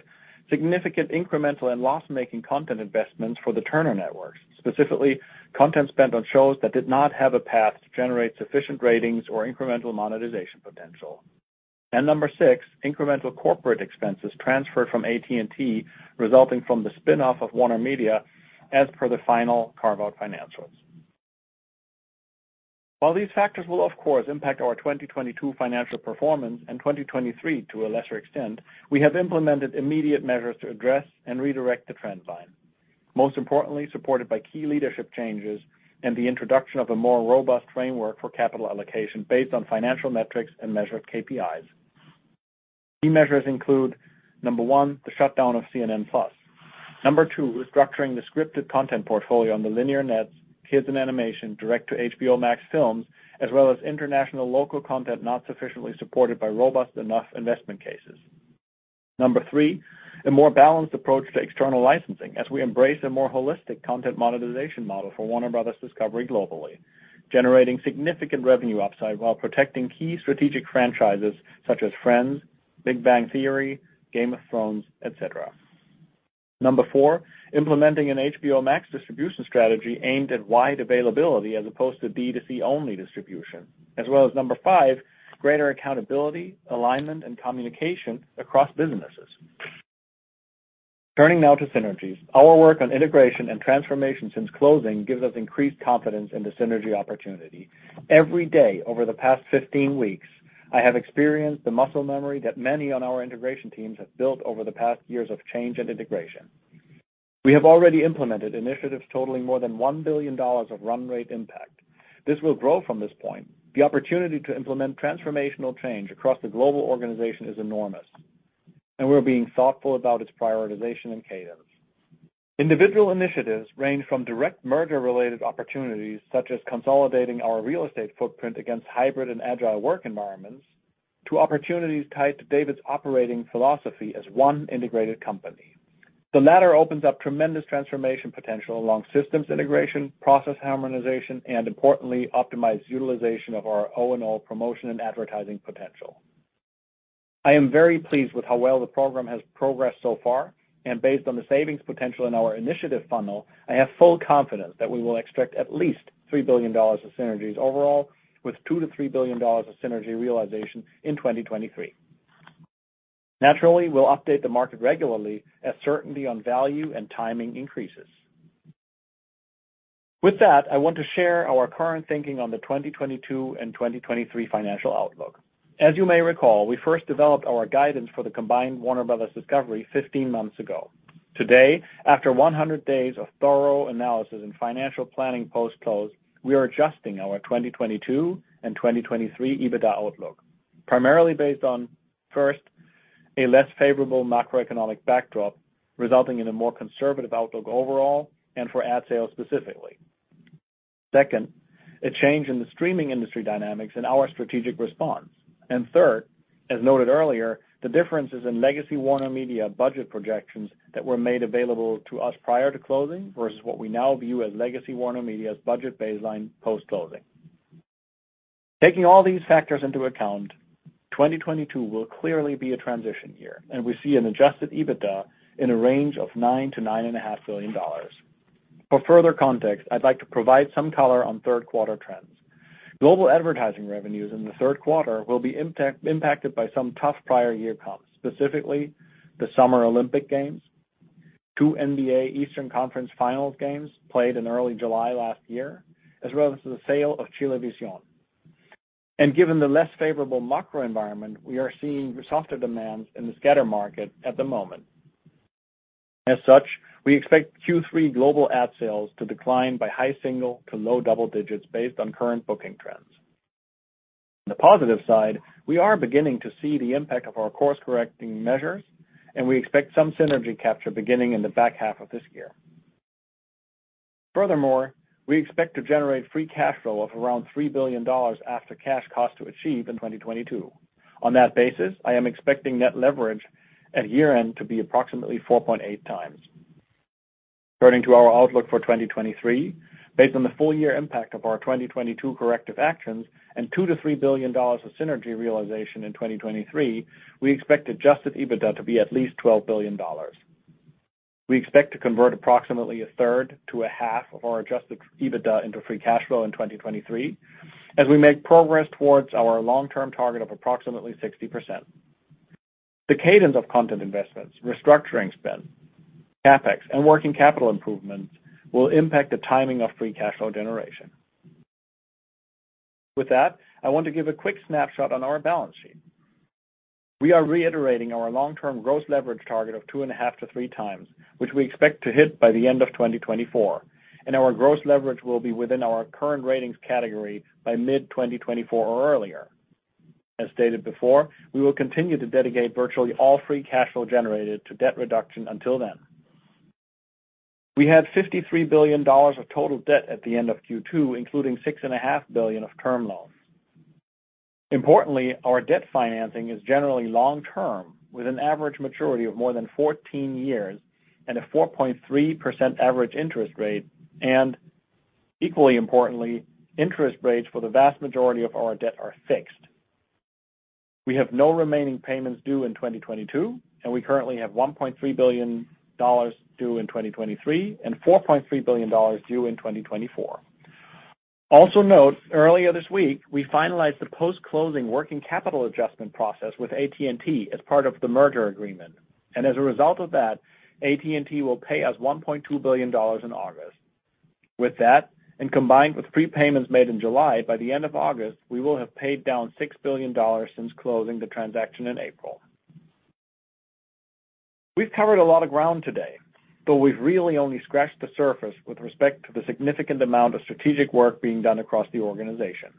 Speaker 5: significant incremental and loss-making content investments for the Turner networks, specifically content spent on shows that did not have a path to generate sufficient ratings or incremental monetization potential. Number six, incremental corporate expenses transferred from AT&T resulting from the spin-off of WarnerMedia as per the final carve-out financials. While these factors will of course impact our 2022 financial performance and 2023 to a lesser extent, we have implemented immediate measures to address and redirect the trend line, most importantly, supported by key leadership changes and the introduction of a more robust framework for capital allocation based on financial metrics and measured KPIs. Key measures include, number one, the shutdown of CNN+. Number two, restructuring the scripted content portfolio on the linear nets, kids and animation, direct-to-HBO Max films, as well as international local content not sufficiently supported by robust enough investment cases. Three, a more balanced approach to external licensing as we embrace a more holistic content monetization model for Warner Bros. Discovery globally, generating significant revenue upside while protecting key strategic franchises such as Friends, The Big Bang Theory, Game of Thrones, et cetera. Four, implementing an HBO Max distribution strategy aimed at wide availability as opposed to D2C only distribution, as well as five, greater accountability, alignment, and communication across businesses. Turning now to synergies. Our work on integration and transformation since closing gives us increased confidence in the synergy opportunity. Every day over the past 15 weeks, I have experienced the muscle memory that many on our integration teams have built over the past years of change and integration. We have already implemented initiatives totaling more than $1 billion of run rate impact. This will grow from this point. The opportunity to implement transformational change across the global organization is enormous. We're being thoughtful about its prioritization and cadence. Individual initiatives range from direct merger-related opportunities, such as consolidating our real estate footprint against hybrid and agile work environments, to opportunities tied to David's operating philosophy as one integrated company. The latter opens up tremendous transformation potential along systems integration, process harmonization, and importantly, optimized utilization of our O&O promotion and advertising potential. I am very pleased with how well the program has progressed so far. Based on the savings potential in our initiative funnel, I have full confidence that we will extract at least $3 billion of synergies overall, with $2 billion-$3 billion of synergy realization in 2023. Naturally, we'll update the market regularly as certainty on value and timing increases. With that, I want to share our current thinking on the 2022 and 2023 financial outlook. As you may recall, we first developed our guidance for the combined Warner Bros. Discovery 15 months ago. Today, after 100 days of thorough analysis and financial planning post-close, we are adjusting our 2022 and 2023 EBITDA outlook, primarily based on, first, a less favorable macroeconomic backdrop, resulting in a more conservative outlook overall and for ad sales specifically. Second, a change in the streaming industry dynamics and our strategic response. Third, as noted earlier, the differences in legacy WarnerMedia budget projections that were made available to us prior to closing versus what we now view as legacy WarnerMedia's budget baseline post-closing. Taking all these factors into account, 2022 will clearly be a transition year, and we see an adjusted EBITDA in a range of $9-$9.5 billion. For further context, I'd like to provide some color on third quarter trends. Global advertising revenues in the third quarter will be impacted by some tough prior year comps, specifically the Summer Olympic Games, 2 NBA Eastern Conference Finals games played in early July last year, as well as the sale of Chilevisión. Given the less favorable macro environment, we are seeing softer demands in the scatter market at the moment. As such, we expect Q3 global ad sales to decline by high single%- to low double%-digit based on current booking trends. On the positive side, we are beginning to see the impact of our course-correcting measures, and we expect some synergy capture beginning in the back half of this year. Furthermore, we expect to generate free cash flow of around $3 billion after cash cost to achieve in 2022. On that basis, I am expecting net leverage at year-end to be approximately 4.8x. Turning to our outlook for 2023. Based on the full year impact of our 2022 corrective actions and $2 billion-$3 billion of synergy realization in 2023, we expect adjusted EBITDA to be at least $12 billion. We expect to convert approximately a third to a half of our adjusted EBITDA into free cash flow in 2023 as we make progress towards our long-term target of approximately 60%. The cadence of content investments, restructuring spend, CapEx, and working capital improvements will impact the timing of free cash flow generation. With that, I want to give a quick snapshot on our balance sheet. We are reiterating our long-term gross leverage target of 2.5-3x, which we expect to hit by the end of 2024, and our gross leverage will be within our current ratings category by mid-2024 or earlier. As stated before, we will continue to dedicate virtually all free cash flow generated to debt reduction until then. We had $53 billion of total debt at the end of Q2, including $6.5 billion of term loans. Importantly, our debt financing is generally long-term, with an average maturity of more than 14 years and a 4.3% average interest rate. Equally importantly, interest rates for the vast majority of our debt are fixed. We have no remaining payments due in 2022, and we currently have $1.3 billion due in 2023 and $4.3 billion due in 2024. Also note, earlier this week, we finalized the post-closing working capital adjustment process with AT&T as part of the merger agreement. As a result of that, AT&T will pay us $1.2 billion in August. With that, and combined with prepayments made in July, by the end of August, we will have paid down $6 billion since closing the transaction in April. We've covered a lot of ground today, but we've really only scratched the surface with respect to the significant amount of strategic work being done across the organization.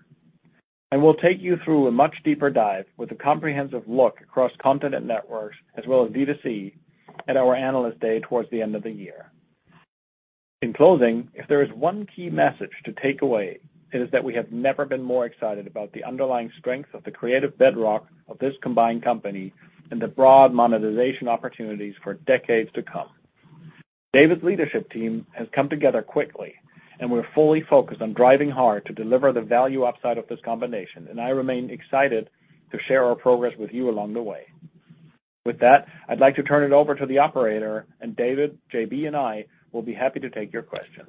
Speaker 5: We'll take you through a much deeper dive with a comprehensive look across content and networks as well as D2C at our Analyst Day towards the end of the year. In closing, if there is one key message to take away, it is that we have never been more excited about the underlying strength of the creative bedrock of this combined company and the broad monetization opportunities for decades to come. David's leadership team has come together quickly, and we're fully focused on driving hard to deliver the value upside of this combination, and I remain excited to share our progress with you along the way. With that, I'd like to turn it over to the operator, and David, JB, and I will be happy to take your questions.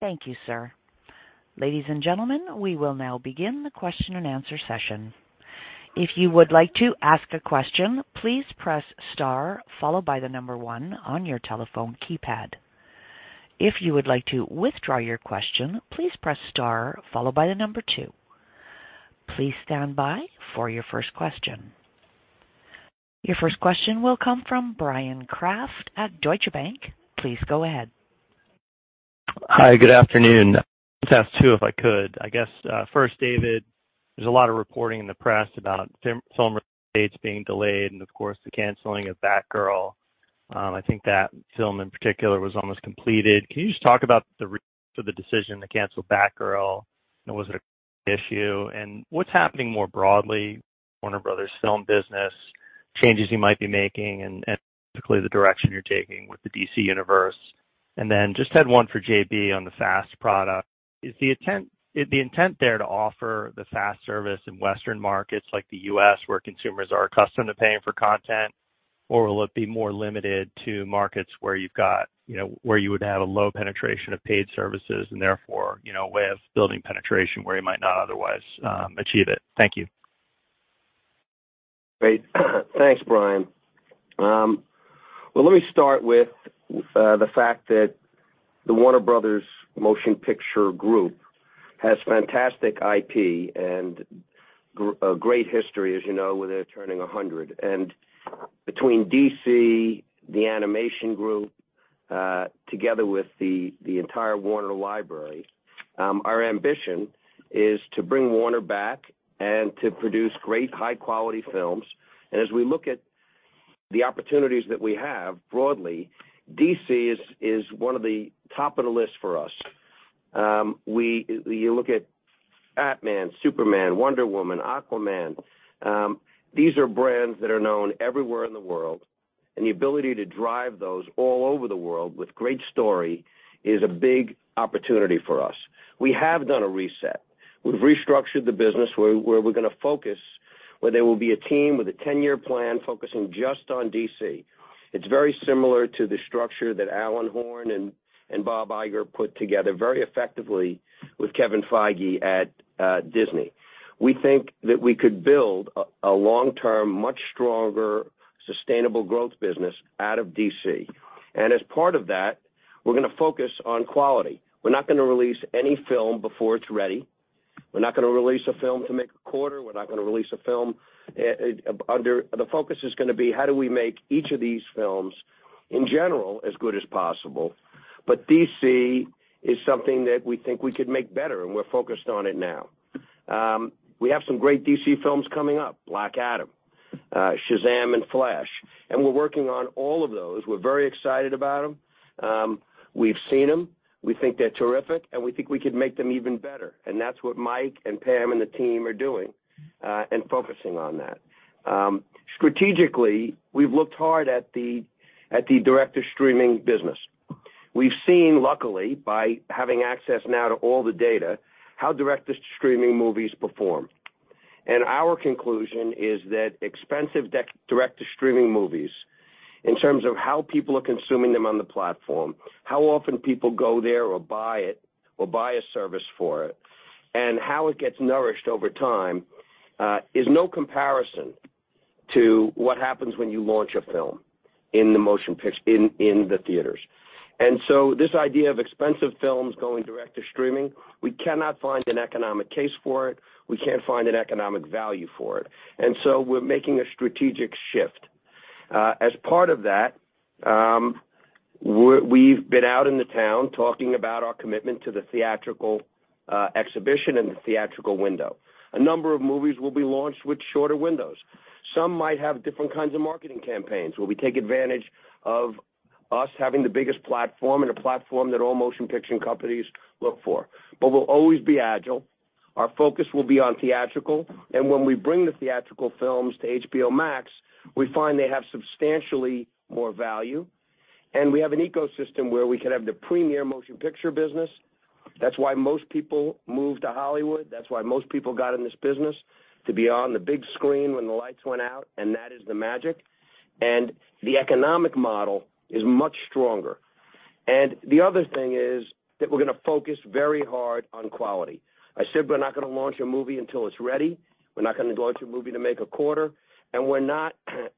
Speaker 1: Thank you, sir. Ladies and gentlemen, we will now begin the question-and-answer session. If you would like to ask a question, please press star followed by the number one on your telephone keypad. If you would like to withdraw your question, please press star followed by the number two. Please stand by for your first question. Your first question will come from Bryan Kraft at Deutsche Bank. Please go ahead.
Speaker 6: Hi, good afternoon. Just ask two, if I could. I guess, first, David, there's a lot of reporting in the press about film release dates being delayed and of course, the canceling of Batgirl. I think that film in particular was almost completed. Can you just talk about the reason for the decision to cancel Batgirl? Was it a creative issue? What's happening more broadly with Warner Bros. film business, changes you might be making and specifically the direction you're taking with the DC Universe? Then just had one for JB on the FAST product. Is the intent there to offer the FAST service in Western markets like the U.S. where consumers are accustomed to paying for content? Will it be more limited to markets where you've got, you know, where you would have a low penetration of paid services and therefore, you know, a way of building penetration where you might not otherwise achieve it? Thank you.
Speaker 3: Great. Thanks, Bryan. Let me start with the fact that the Warner Bros. Pictures Group has fantastic IP and a great history, as you know, where they're turning a hundred. Between DC, the animation group, together with the entire Warner library, our ambition is to bring Warner back and to produce great high quality films. As we look at the opportunities that we have broadly, DC is one of the top of the list for us. You look at Batman, Superman, Wonder Woman, Aquaman, these are brands that are known everywhere in the world, and the ability to drive those all over the world with great story is a big opportunity for us. We have done a reset. We've restructured the business where we're gonna focus, where there will be a team with a 10-year plan focusing just on DC. It's very similar to the structure that Alan Horn and Bob Iger put together very effectively with Kevin Feige at Disney. We think that we could build a long-term, much stronger sustainable growth business out of DC. As part of that, we're gonna focus on quality. We're not gonna release any film before it's ready. We're not gonna release a film to make a quarter. We're not gonna release a film. The focus is gonna be how do we make each of these films in general as good as possible. DC is something that we think we could make better, and we're focused on it now. We have some great DC films coming up, Black Adam, Shazam, and Flash, and we're working on all of those. We're very excited about them. We've seen them. We think they're terrific, and we think we could make them even better. That's what Mike and Pam and the team are doing, and focusing on that. Strategically, we've looked hard at the direct-to-streaming business. We've seen luckily by having access now to all the data, how direct-to-streaming movies perform. Our conclusion is that expensive direct-to-streaming movies in terms of how people are consuming them on the platform, how often people go there or buy it or buy a service for it, and how it gets nourished over time, is no comparison to what happens when you launch a film in the motion picture theaters. This idea of expensive films going direct to streaming, we cannot find an economic case for it. We can't find an economic value for it. We're making a strategic shift. As part of that, we've been out in the town talking about our commitment to the theatrical exhibition and the theatrical window. A number of movies will be launched with shorter windows. Some might have different kinds of marketing campaigns where we take advantage of us having the biggest platform and a platform that all motion picture companies look for. We'll always be agile. Our focus will be on theatrical. When we bring the theatrical films to HBO Max, we find they have substantially more value. We have an ecosystem where we can have the premier motion picture business. That's why most people move to Hollywood. That's why most people got in this business to be on the big screen when the lights went out, and that is the magic. The economic model is much stronger. The other thing is that we're gonna focus very hard on quality. I said, we're not gonna launch a movie until it's ready. We're not gonna launch a movie to make a quarter, and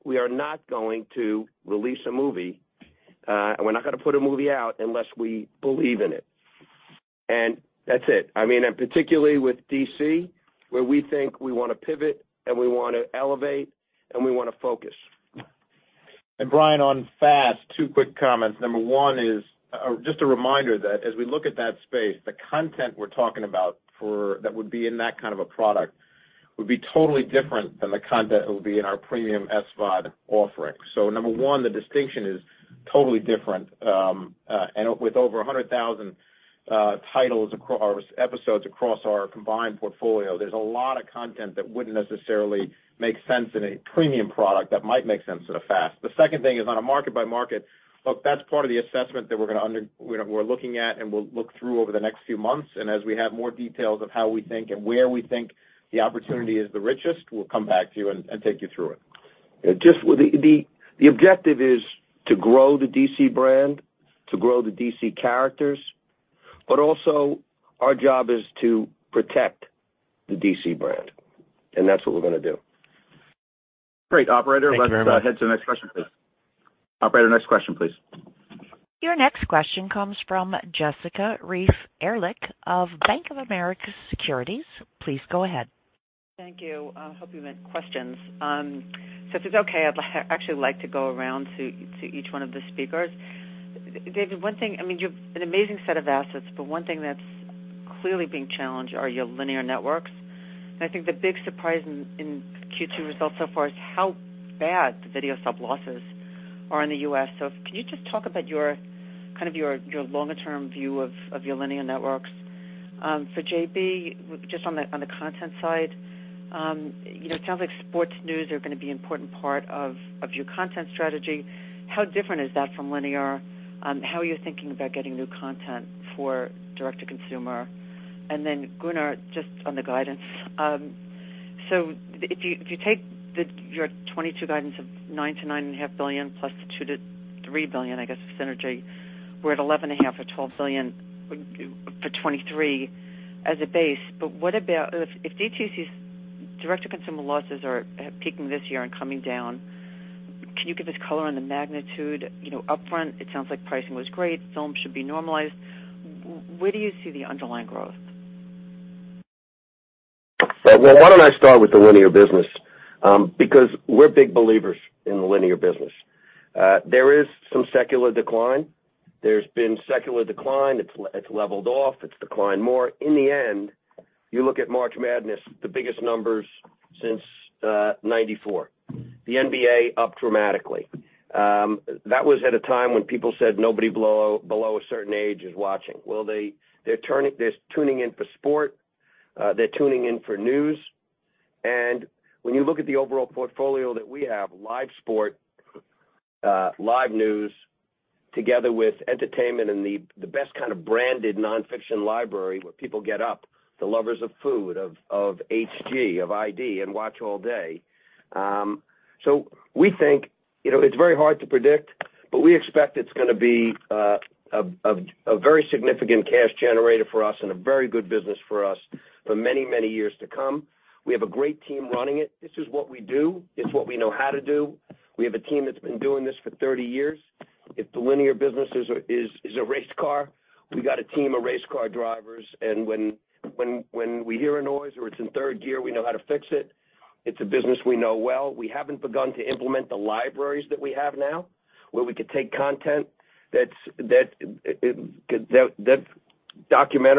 Speaker 3: we are not going to release a movie, and we're not gonna put a movie out unless we believe in it. That's it. I mean, particularly with DC, where we think we wanna pivot and we wanna elevate and we wanna focus.
Speaker 4: Bryan, on FAST, two quick comments. Number one is just a reminder that as we look at that space, the content we're talking about that would be in that kind of a product would be totally different than the content that will be in our premium SVOD offering. Number one, the distinction is totally different. With over 100,000 titles and episodes across our combined portfolio, there's a lot of content that wouldn't necessarily make sense in a premium product that might make sense at a FAST. The second thing is on a market-by-market look, that's part of the assessment that we're gonna, you know, we're looking at, and we'll look through over the next few months. As we have more details of how we think and where we think the opportunity is the richest, we'll come back to you and take you through it.
Speaker 3: Just with the objective is to grow the DC brand, to grow the DC characters, but also our job is to protect the DC brand, and that's what we're gonna do.
Speaker 2: Great. Operator-
Speaker 6: Thank you very much.
Speaker 2: Let's head to the next question, please. Operator, next question, please.
Speaker 1: Your next question comes from Jessica Reif Ehrlich of Bank of America Securities. Please go ahead.
Speaker 7: Thank you. I hope you meant questions. If it's okay, I'd actually like to go around to each one of the speakers. David, one thing. I mean, you've an amazing set of assets, but one thing that's clearly being challenged are your linear networks. I think the big surprise in Q2 results so far is how bad the video sub losses are in the U.S. Can you just talk about your kind of your longer term view of your linear networks? For JB, just on the content side, you know, it sounds like sports news are gonna be important part of your content strategy. How different is that from linear? How are you thinking about getting new content for direct-to-consumer? Then, Gunnar, just on the guidance. If you take your 2022 guidance of $9-$9.5 billion + $2-$3 billion, I guess, of synergy, we're at $11.5 or $12 billion for 2023 as a base. What about if D2C's direct-to-consumer losses are peaking this year and coming down? Can you give us color on the magnitude? You know, upfront, it sounds like pricing was great. Films should be normalized. Where do you see the underlying growth?
Speaker 3: Well, why don't I start with the linear business, because we're big believers in the linear business. There is some secular decline. There's been secular decline. It's leveled off. It's declined more. In the end, you look at March Madness, the biggest numbers since 1994. The NBA up dramatically. That was at a time when people said nobody below a certain age is watching. They're tuning in for sport, they're tuning in for news. When you look at the overall portfolio that we have, live sport, live news together with entertainment and the best kind of branded nonfiction library where people get up, the lovers of food, of HGTV, of ID, and watch all day. So we think, you know, it's very hard to predict, but we expect it's gonna be a very significant cash generator for us and a very good business for us for many, many years to come. We have a great team running it. This is what we do. It's what we know how to do. We have a team that's been doing this for 30 years. If the linear business is a race car, we got a team of race car drivers. When we hear a noise or it's in third gear, we know how to fix it. It's a business we know well. We haven't begun to implement the libraries that we have now, where we could take content,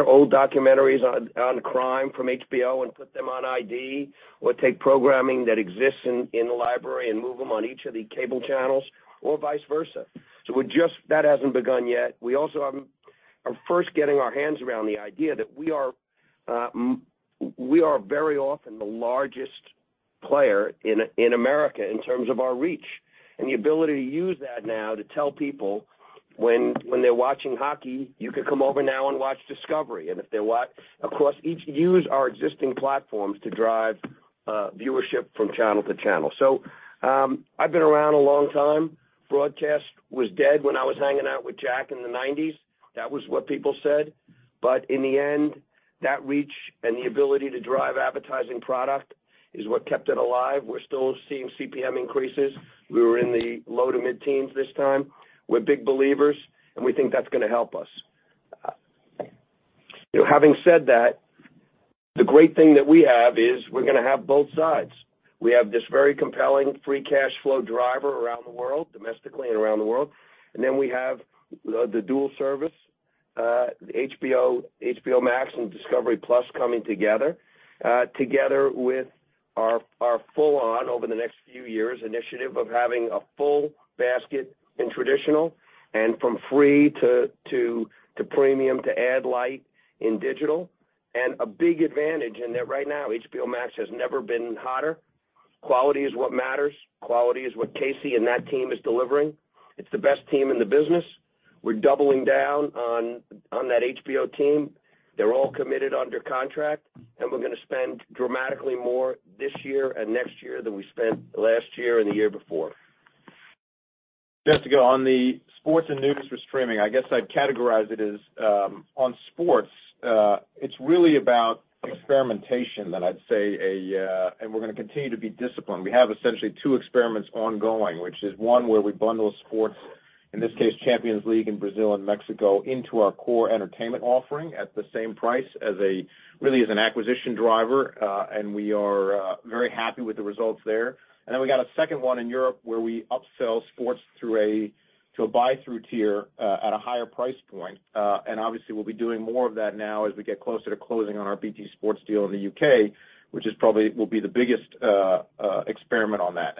Speaker 3: old documentaries on crime from HBO and put them on ID or take programming that exists in the library and move them on each of the cable channels or vice versa. That hasn't begun yet. We also are first getting our hands around the idea that we are very often the largest player in America in terms of our reach and the ability to use that now to tell people when they're watching hockey, you could come over now and watch Discovery. Of course, we use our existing platforms to drive viewership from channel to channel. I've been around a long time. Broadcast was dead when I was hanging out with Jack in the 1990s. That was what people said. In the end, that reach and the ability to drive advertising product is what kept it alive. We're still seeing CPM increases. We were in the low-to-mid-teens percent this time. We're big believers, and we think that's gonna help us. Having said that, the great thing that we have is we're gonna have both sides. We have this very compelling free cash flow driver around the world, domestically and around the world. Then we have the dual service, HBO Max and discovery+ coming together with our full on over the next few years initiative of having a full basket in traditional and from free to premium to ad-light in digital. A big advantage in that right now, HBO Max has never been hotter. Quality is what matters. Quality is what Casey and that team is delivering. It's the best team in the business. We're doubling down on that HBO team. They're all committed under contract, and we're gonna spend dramatically more this year and next year than we spent last year and the year before.
Speaker 4: Jessica, on the sports and news for streaming, I guess I'd categorize it as, on sports, it's really about experimentation that I'd say. We're gonna continue to be disciplined. We have essentially two experiments ongoing, which is one where we bundle sports, in this case, Champions League in Brazil and Mexico, into our core entertainment offering at the same price, really as an acquisition driver, and we are very happy with the results there. Then we got a second one in Europe where we upsell sports through to a buy-through tier, at a higher price point. Obviously we'll be doing more of that now as we get closer to closing on our BT Sport deal in the UK, which probably will be the biggest experiment on that.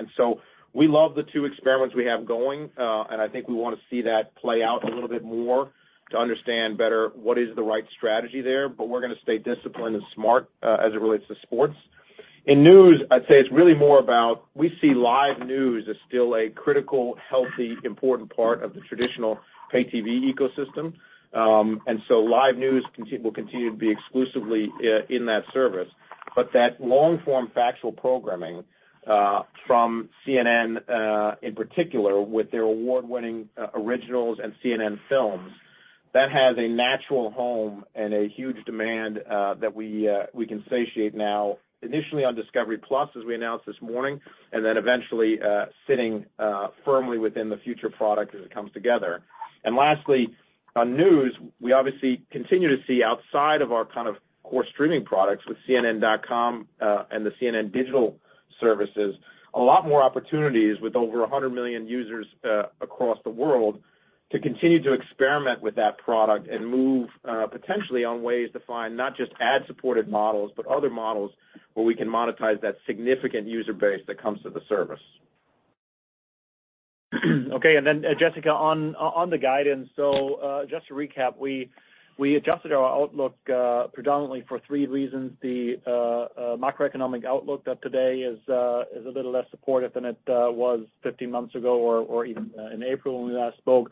Speaker 4: We love the two experiments we have going, and I think we wanna see that play out a little bit more to understand better what is the right strategy there. We're gonna stay disciplined and smart, as it relates to sports. In news, I'd say it's really more about we see live news as still a critical, healthy, important part of the traditional pay TV ecosystem. Live news will continue to be exclusively in that service. That long form factual programming from CNN, in particular with their award-winning originals and CNN Films has a natural home and a huge demand that we can satiate now, initially on discovery+, as we announced this morning, and then eventually sitting firmly within the future product as it comes together. Lastly, on news, we obviously continue to see outside of our kind of core streaming products with CNN.com, and the CNN digital services, a lot more opportunities with over 100 million users, across the world to continue to experiment with that product and move, potentially on ways to find not just ad-supported models, but other models where we can monetize that significant user base that comes to the service.
Speaker 5: Okay. Jessica, on the guidance. Just to recap, we adjusted our outlook predominantly for three reasons. The macroeconomic outlook that today is a little less supportive than it was 15 months ago or even in April when we last spoke.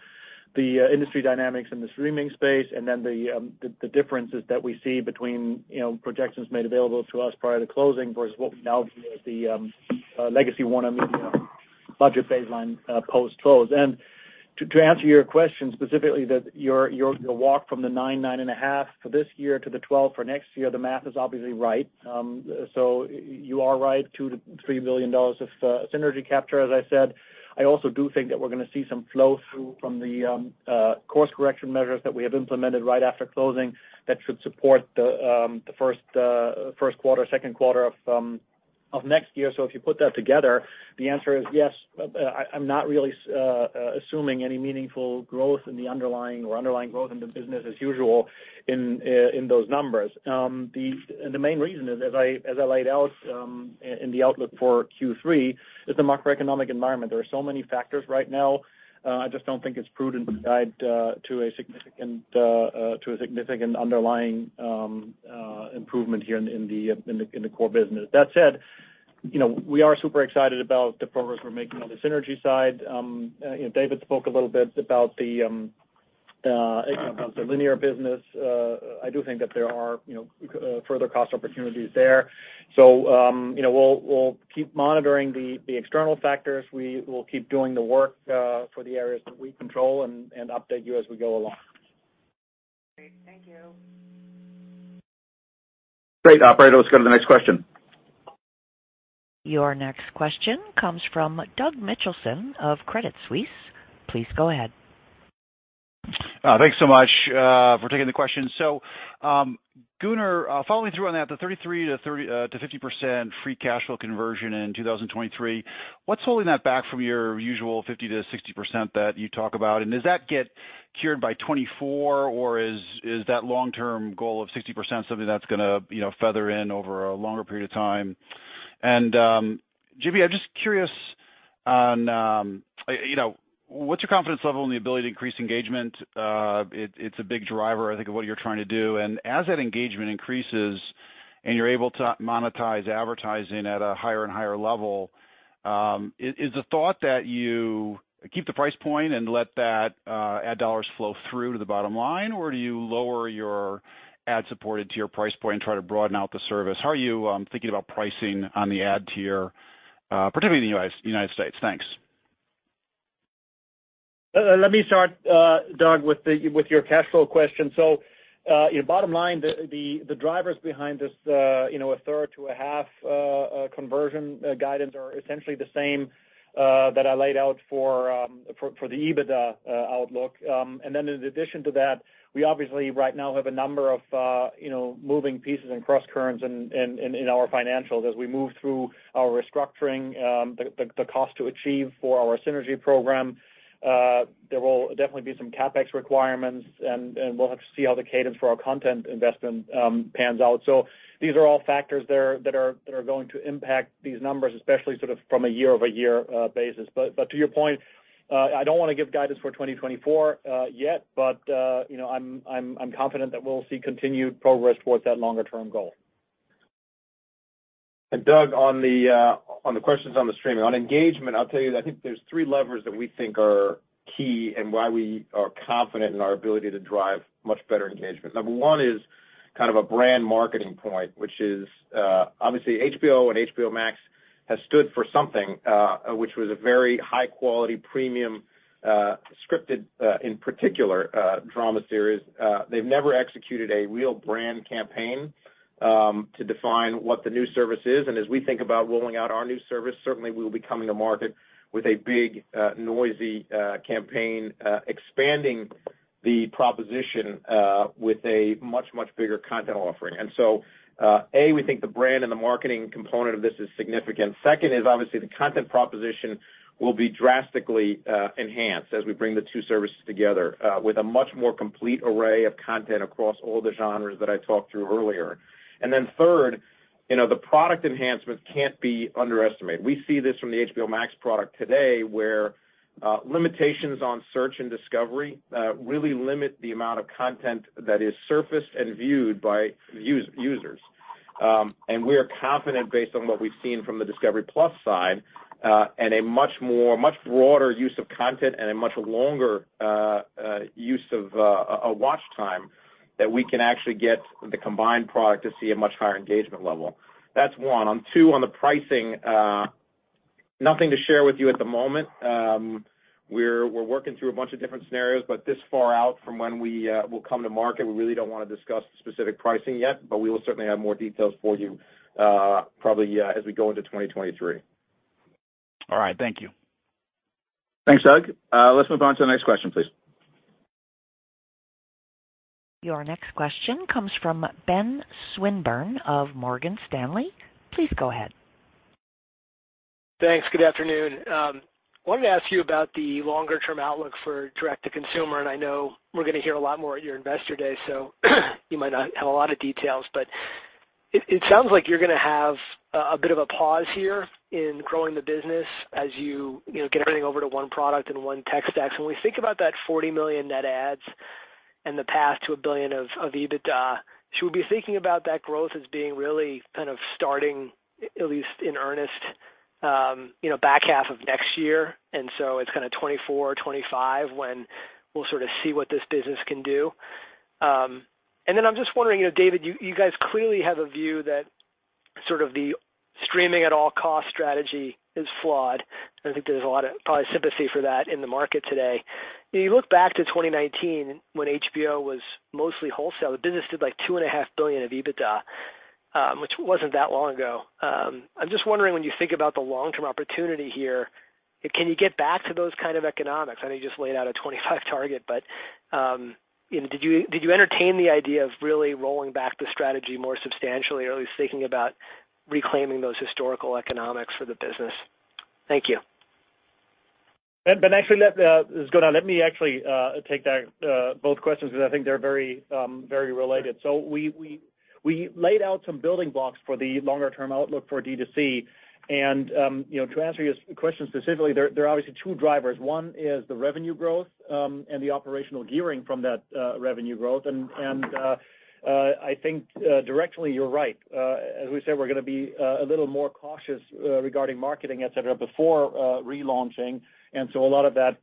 Speaker 5: The industry dynamics in the streaming space, and then the differences that we see between, you know, projections made available to us prior to closing versus what we now view as the legacy WarnerMedia budget baseline post-close. To answer your question specifically, your walk from the $9-$9.5 for this year to the $12 for next year, the math is obviously right. You are right, $2-$3 billion of synergy capture, as I said. I also do think that we're gonna see some flow through from the course correction measures that we have implemented right after closing that should support the first quarter, second quarter of next year. If you put that together, the answer is yes. I'm not really assuming any meaningful growth in the underlying growth in the business as usual in those numbers. The main reason is, as I laid out, in the outlook for Q3, is the macroeconomic environment. There are so many factors right now. I just don't think it's prudent to guide to a significant underlying improvement here in the core business. That said, you know, we are super excited about the progress we're making on the synergy side. You know, David spoke a little bit about the linear business. I do think that there are, you know, further cost opportunities there. You know, we'll keep monitoring the external factors. We will keep doing the work for the areas that we control and update you as we go along.
Speaker 7: Great. Thank you.
Speaker 2: Great. Operator, let's go to the next question.
Speaker 1: Your next question comes from Doug Mitchelson of Credit Suisse. Please go ahead.
Speaker 8: Thanks so much for taking the question. Gunnar, following through on that, the 33%-50% free cash flow conversion in 2023, what's holding that back from your usual 50%-60% that you talk about? Does that get cured by 2024, or is that long-term goal of 60% something that's gonna, you know, feather in over a longer period of time? JB, I'm just curious on, you know, what's your confidence level in the ability to increase engagement? It's a big driver, I think, of what you're trying to do. As that engagement increases and you're able to monetize advertising at a higher and higher level, is the thought that you keep the price point and let that ad dollars flow through to the bottom line? Or do you lower your ad support into your price point and try to broaden out the service? How are you thinking about pricing on the ad tier, particularly in the United States? Thanks.
Speaker 5: Let me start, Doug, with your cash flow question. You know, bottom line, the drivers behind this, you know, a third to a half conversion guidance are essentially the same that I laid out for the EBITDA outlook. In addition to that, we obviously right now have a number of, you know, moving pieces and crosscurrents in our financials. As we move through our restructuring, the cost to achieve for our synergy program, there will definitely be some CapEx requirements, and we'll have to see how the cadence for our content investment pans out. These are all factors there that are going to impact these numbers, especially sort of from a year-over-year basis. To your point, I don't wanna give guidance for 2024 yet, but you know, I'm confident that we'll see continued progress towards that longer term goal.
Speaker 4: Doug, on the questions on the streaming. On engagement, I'll tell you that I think there's three levers that we think are key and why we are confident in our ability to drive much better engagement. Number one is kind of a brand marketing point, which is obviously HBO and HBO Max has stood for something, which was a very high-quality premium scripted, in particular, drama series. They've never executed a real brand campaign to define what the new service is. As we think about rolling out our new service, certainly we'll be coming to market with a big noisy campaign expanding the proposition with a much, much bigger content offering. A, we think the brand and the marketing component of this is significant. Second is obviously the content proposition will be drastically enhanced as we bring the two services together with a much more complete array of content across all the genres that I talked through earlier. Then third, you know, the product enhancements can't be underestimated. We see this from the HBO Max product today, where limitations on search and discovery really limit the amount of content that is surfaced and viewed by users. And we are confident based on what we've seen from the Discovery+ side, and a much more, much broader use of content and a much longer use of a watch time, that we can actually get the combined product to see a much higher engagement level. That's one. On two, on the pricing Nothing to share with you at the moment. We're working through a bunch of different scenarios, but this far out from when we will come to market, we really don't wanna discuss specific pricing yet, but we will certainly have more details for you, probably, yeah, as we go into 2023.
Speaker 9: All right. Thank you.
Speaker 2: Thanks, Doug. Let's move on to the next question, please.
Speaker 1: Your next question comes from Ben Swinburne of Morgan Stanley. Please go ahead.
Speaker 10: Thanks. Good afternoon. Wanted to ask you about the longer-term outlook for direct-to-consumer, and I know we're gonna hear a lot more at your Investor Day, so you might not have a lot of details, but it sounds like you're gonna have a bit of a pause here in growing the business as you know get everything over to one product and one tech stack. When we think about that 40 million net adds and the path to $1 billion of EBITDA, should we be thinking about that growth as being really kind of starting at least in earnest you know back half of next year, and so it's kinda 2024 or 2025 when we'll sort of see what this business can do? I'm just wondering, you know, David, you guys clearly have a view that sort of the streaming at all costs strategy is flawed. I think there's a lot of probably sympathy for that in the market today. You look back to 2019 when HBO was mostly wholesale, the business did, like, $2.5 billion of EBITDA, which wasn't that long ago. I'm just wondering, when you think about the long-term opportunity here, can you get back to those kind of economics? I know you just laid out a 25 target, but, you know, did you entertain the idea of really rolling back the strategy more substantially, or at least thinking about reclaiming those historical economics for the business? Thank you.
Speaker 5: Ben, actually, this is Gunnar. Let me actually take both questions 'cause I think they're very related. We laid out some building blocks for the longer term outlook for D2C. You know, to answer your second question specifically, there are obviously two drivers. One is the revenue growth and the operational gearing from that revenue growth. I think directionally, you're right. As we said, we're gonna be a little more cautious regarding marketing, et cetera, before relaunching. A lot of that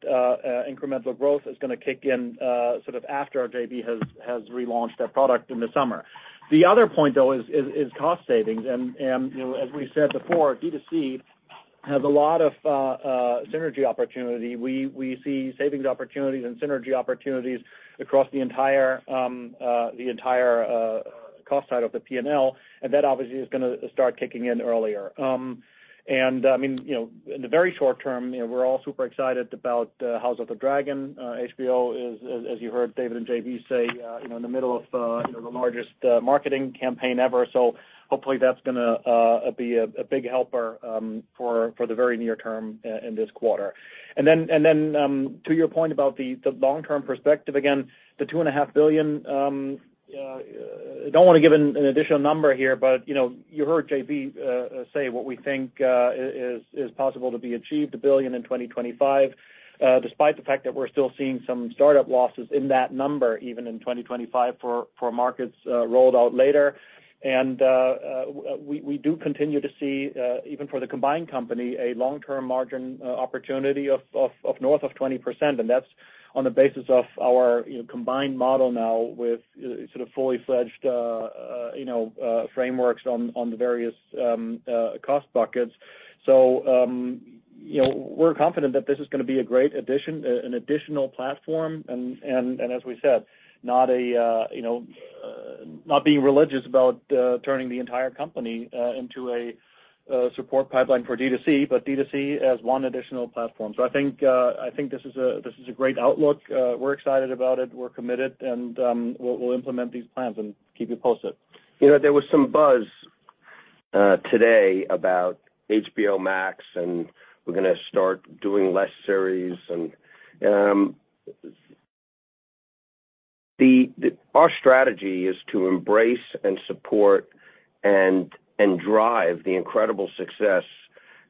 Speaker 5: incremental growth is gonna kick in sort of after our JV has relaunched their product in the summer. The other point, though, is cost savings. You know, as we said before, D2C has a lot of synergy opportunity. We see savings opportunities and synergy opportunities across the entire cost side of the P&L, and that obviously is gonna start kicking in earlier. I mean, you know, in the very short term, you know, we're all super excited about House of the Dragon. HBO is, as you heard David and JB say, you know, in the middle of the largest marketing campaign ever. Hopefully that's gonna be a big helper for the very near term in this quarter. To your point about the long-term perspective, again, the $2.5 billion, don't wanna give an additional number here, but, you know, you heard JB say what we think is possible to be achieved, $1 billion in 2025, despite the fact that we're still seeing some startup losses in that number, even in 2025 for markets rolled out later. We do continue to see, even for the combined company, a long-term margin opportunity of north of 20%, and that's on the basis of our, you know, combined model now with, sort of fully fledged, you know, frameworks on the various cost buckets. You know, we're confident that this is gonna be a great addition, an additional platform, and as we said, not being religious about turning the entire company into a support pipeline for D2C, but D2C as one additional platform. I think this is a great outlook. We're excited about it, we're committed, and we'll implement these plans and keep you posted.
Speaker 3: You know, there was some buzz today about HBO Max, and we're gonna start doing less series. Our strategy is to embrace and support and drive the incredible success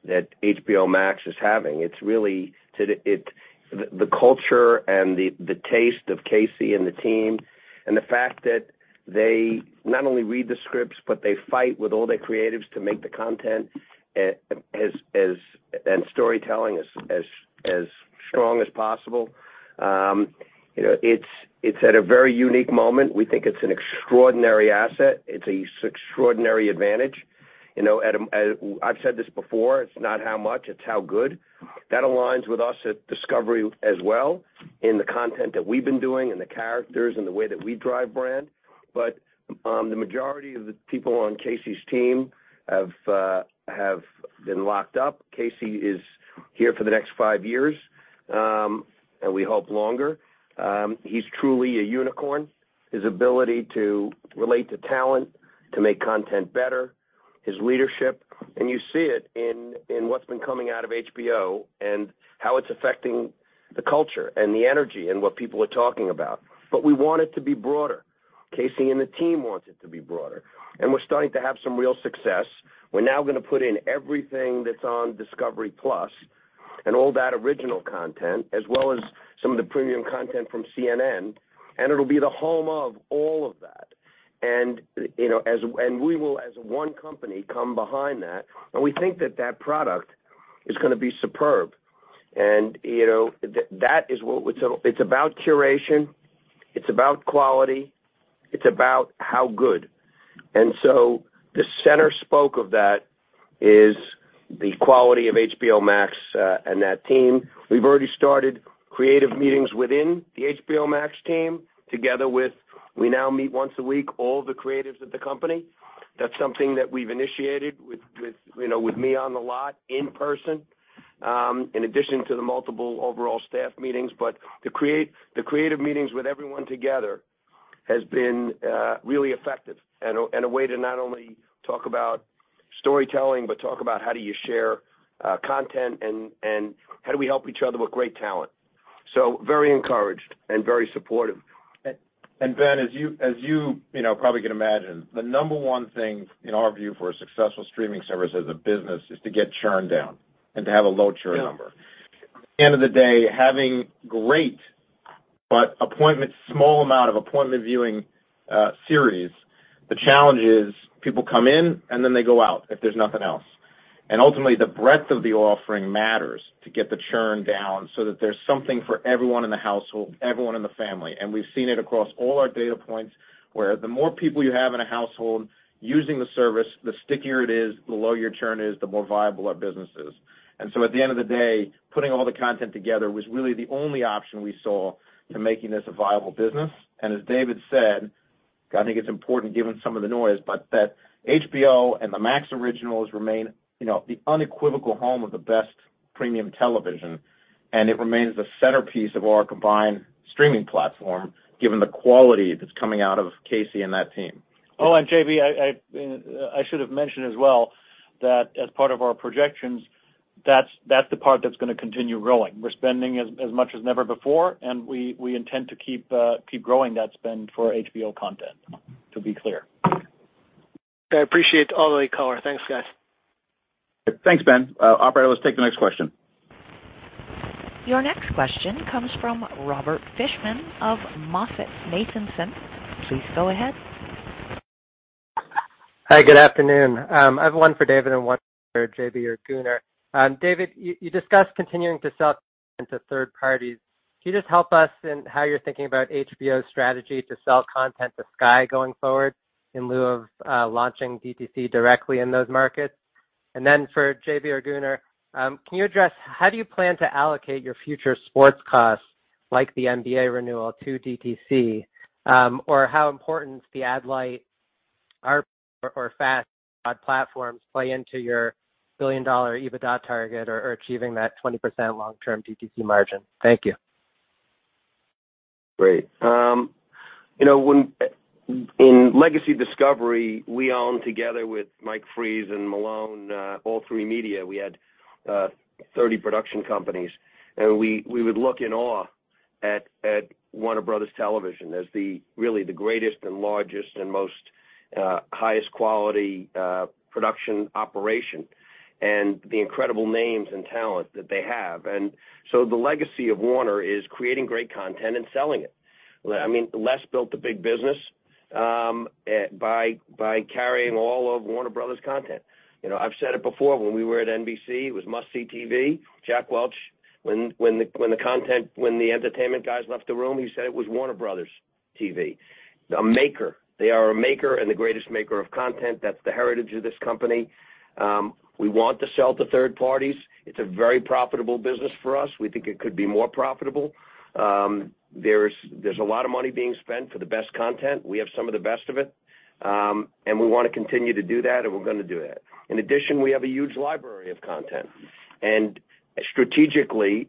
Speaker 3: that HBO Max is having. It's really the culture and the taste of Casey and the team, and the fact that they not only read the scripts, but they fight with all their creatives to make the content as ambitious as possible and storytelling as strong as possible. You know, it's at a very unique moment. We think it's an extraordinary asset. It's such an extraordinary advantage. You know, I've said this before, it's not how much, it's how good. That aligns with us at Discovery as well in the content that we've been doing and the characters and the way that we drive brand. The majority of the people on Casey's team have been locked up. Casey is here for the next five years, and we hope longer. He's truly a unicorn. His ability to relate to talent, to make content better, his leadership, and you see it in what's been coming out of HBO and how it's affecting the culture and the energy and what people are talking about. We want it to be broader. Casey and the team wants it to be broader, and we're starting to have some real success. We're now gonna put in everything that's on Discovery+ and all that original content, as well as some of the premium content from CNN, and it'll be the home of all of that. We will, as one company, come behind that, and we think that product is gonna be superb. You know, that is what we're doing. It's about curation. It's about quality. It's about how good. The centerpiece of that is the quality of HBO Max and that team. We've already started creative meetings within the HBO Max team together, we now meet once a week, all the creatives at the company. That's something that we've initiated with me on the lot in person, in addition to the multiple overall staff meetings. The creative meetings with everyone together has been really effective and a way to not only talk about storytelling, but talk about how do you share content and how do we help each other with great talent. Very encouraged and very supportive.
Speaker 4: Ben, as you probably can imagine, the number one thing in our view for a successful streaming service as a business is to get churn down and to have a low churn number. At the end of the day, having great but small amount of appointment viewing series, the challenge is people come in and then they go out if there's nothing else. Ultimately, the breadth of the offering matters to get the churn down so that there's something for everyone in the household, everyone in the family. We've seen it across all our data points where the more people you have in a household using the service, the stickier it is, the lower your churn is, the more viable our business is. At the end of the day, putting all the content together was really the only option we saw to making this a viable business. As David said, I think it's important given some of the noise, but that HBO and the Max originals remain the unequivocal home of the best premium television, and it remains the centerpiece of our combined streaming platform, given the quality that's coming out of Casey and that team.
Speaker 5: Oh, JB, I should have mentioned as well that as part of our projections, that's the part that's going to continue growing. We're spending as much as ever before, and we intend to keep growing that spend for HBO content, to be clear.
Speaker 2: Thanks, Ben. Operator, let's take the next question.
Speaker 1: Your next question comes from Robert Fishman of MoffettNathanson. Please go ahead.
Speaker 11: Hi, good afternoon. I have one for David and one for JB or Gunnar. David, you discussed continuing to sell content to third parties. Can you just help us in how you're thinking about HBO's strategy to sell content to Sky going forward in lieu of launching DTC directly in those markets? For JB or Gunnar, can you address how do you plan to allocate your future sports costs like the NBA renewal to DTC? Or how important the ad light or FAST platforms play into your $1 billion EBITDA target or achieving that 20% long-term DTC margin? Thank you.
Speaker 3: Great. In legacy Discovery, we own together with Mike Fries and Malone all three media. We had 30 production companies. We would look in awe at Warner Bros. Television as really the greatest and largest and most highest quality production operation and the incredible names and talent that they have. The legacy of Warner is creating great content and selling it. I mean, Les built the big business by carrying all of Warner Bros. content. I've said it before when we were at NBC, it was must-see TV. Jack Welch, when the entertainment guys left the room, he said it was Warner Bros. TV. A maker. They are a maker and the greatest maker of content. That's the heritage of this company. We want to sell to third parties. It's a very profitable business for us. We think it could be more profitable. There's a lot of money being spent for the best content. We have some of the best of it. We want to continue to do that, and we're going to do that. In addition, we have a huge library of content. Strategically,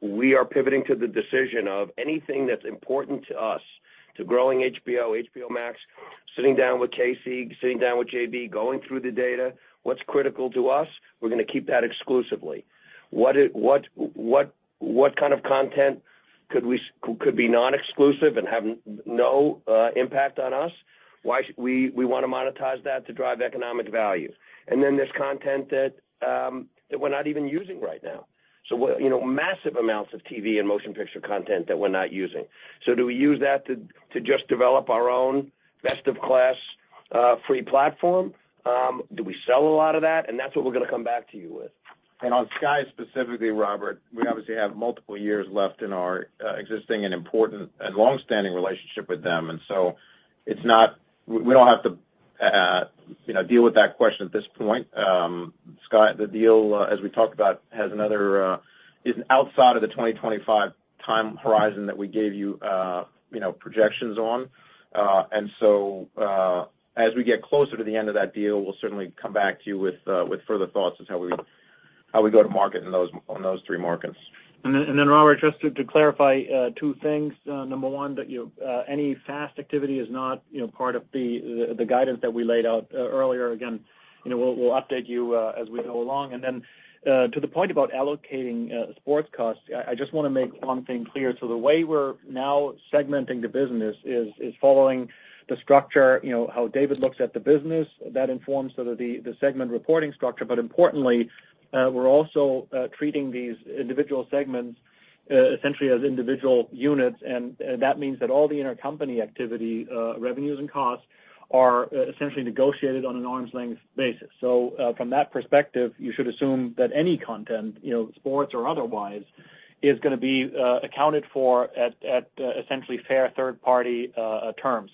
Speaker 3: we are pivoting to the decision of anything that's important to us, to growing HBO Max, sitting down with Casey, sitting down with JB, going through the data, what's critical to us, we're going to keep that exclusively. What kind of content could be non-exclusive and have no impact on us? We want to monetize that to drive economic value. Then there's content that we're not even using right now. Massive amounts of TV and motion picture content that we're not using. Do we use that to just develop our own best-of-class free platform? Do we sell a lot of that? That's what we're going to come back to you with.
Speaker 4: On Sky specifically, Robert, we obviously have multiple years left in our existing and important and longstanding relationship with them. We don't have to deal with that question at this point. The deal, as we talked about, is outside of the 2025 time horizon that we gave you projections on. As we get closer to the end of that deal, we'll certainly come back to you with further thoughts on how we go to market on those three markets.
Speaker 5: Robert, just to clarify two things. Number one, any FAST activity is not part of the guidance that we laid out earlier. Again, we'll update you as we go along. To the point about allocating sports costs, I just want to make one thing clear. The way we're now segmenting the business is following the structure, how David looks at the business. That informs the segment reporting structure. Importantly, we're also treating these individual segments, essentially as individual units, and that means that all the intercompany activity, revenues and costs are essentially negotiated on an arm's length basis. From that perspective, you should assume that any content, you know, sports or otherwise, is gonna be accounted for at essentially fair third party terms.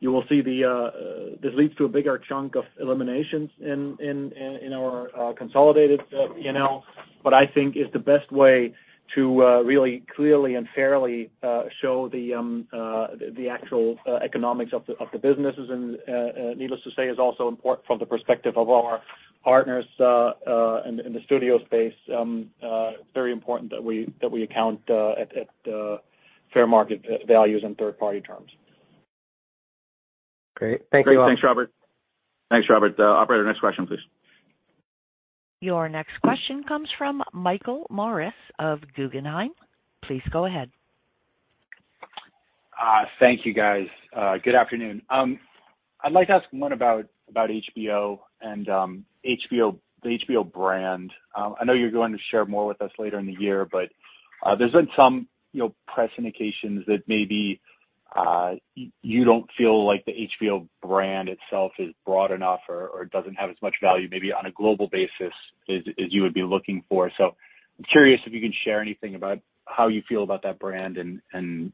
Speaker 5: You will see this leads to a bigger chunk of eliminations in our consolidated P&L, but I think is the best way to really clearly and fairly show the actual economics of the businesses. Needless to say, is also important from the perspective of our partners in the studio space, very important that we account at fair market values and third party terms.
Speaker 11: Great. Thank you all.
Speaker 2: Great. Thanks, Robert. Operator, next question, please.
Speaker 1: Your next question comes from Michael Morris of Guggenheim. Please go ahead.
Speaker 12: Thank you guys. Good afternoon. I'd like to ask one about HBO and HBO, the HBO brand. I know you're going to share more with us later in the year, but there's been some, you know, press indications that maybe you don't feel like the HBO brand itself is broad enough or doesn't have as much value maybe on a global basis as you would be looking for. I'm curious if you can share anything about how you feel about that brand and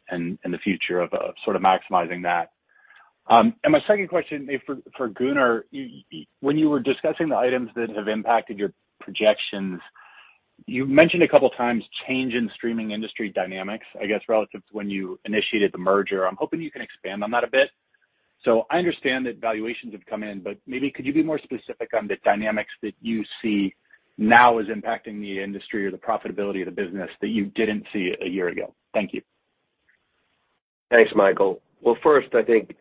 Speaker 12: the future of sort of maximizing that. My second question is for Gunnar, when you were discussing the items that have impacted your projections, you mentioned a couple of times change in streaming industry dynamics, I guess, relative to when you initiated the merger. I'm hoping you can expand on that a bit. I understand that valuations have come in, but maybe could you be more specific on the dynamics that you see now as impacting the industry or the profitability of the business that you didn't see a year ago? Thank you.
Speaker 3: Thanks, Michael. Well, first, I think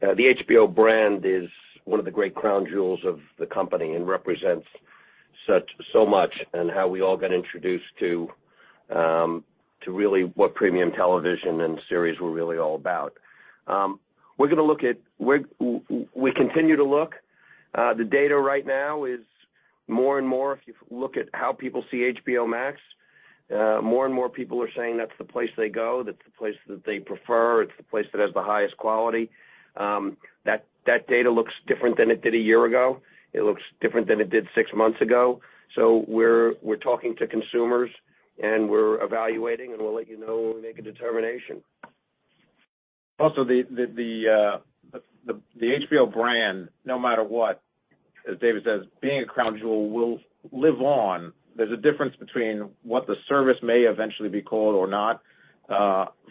Speaker 3: the HBO brand is one of the great crown jewels of the company and represents such so much and how we all got introduced to really what premium television and series were really all about. We continue to look. The data right now is more and more. If you look at how people see HBO Max, more and more people are saying that's the place they go, that's the place that they prefer, it's the place that has the highest quality. That data looks different than it did a year ago. It looks different than it did six months ago. We're talking to consumers, and we're evaluating, and we'll let you know when we make a determination.
Speaker 4: Also, the HBO brand, no matter what, as David says, being a crown jewel, will live on. There's a difference between what the service may eventually be called or not,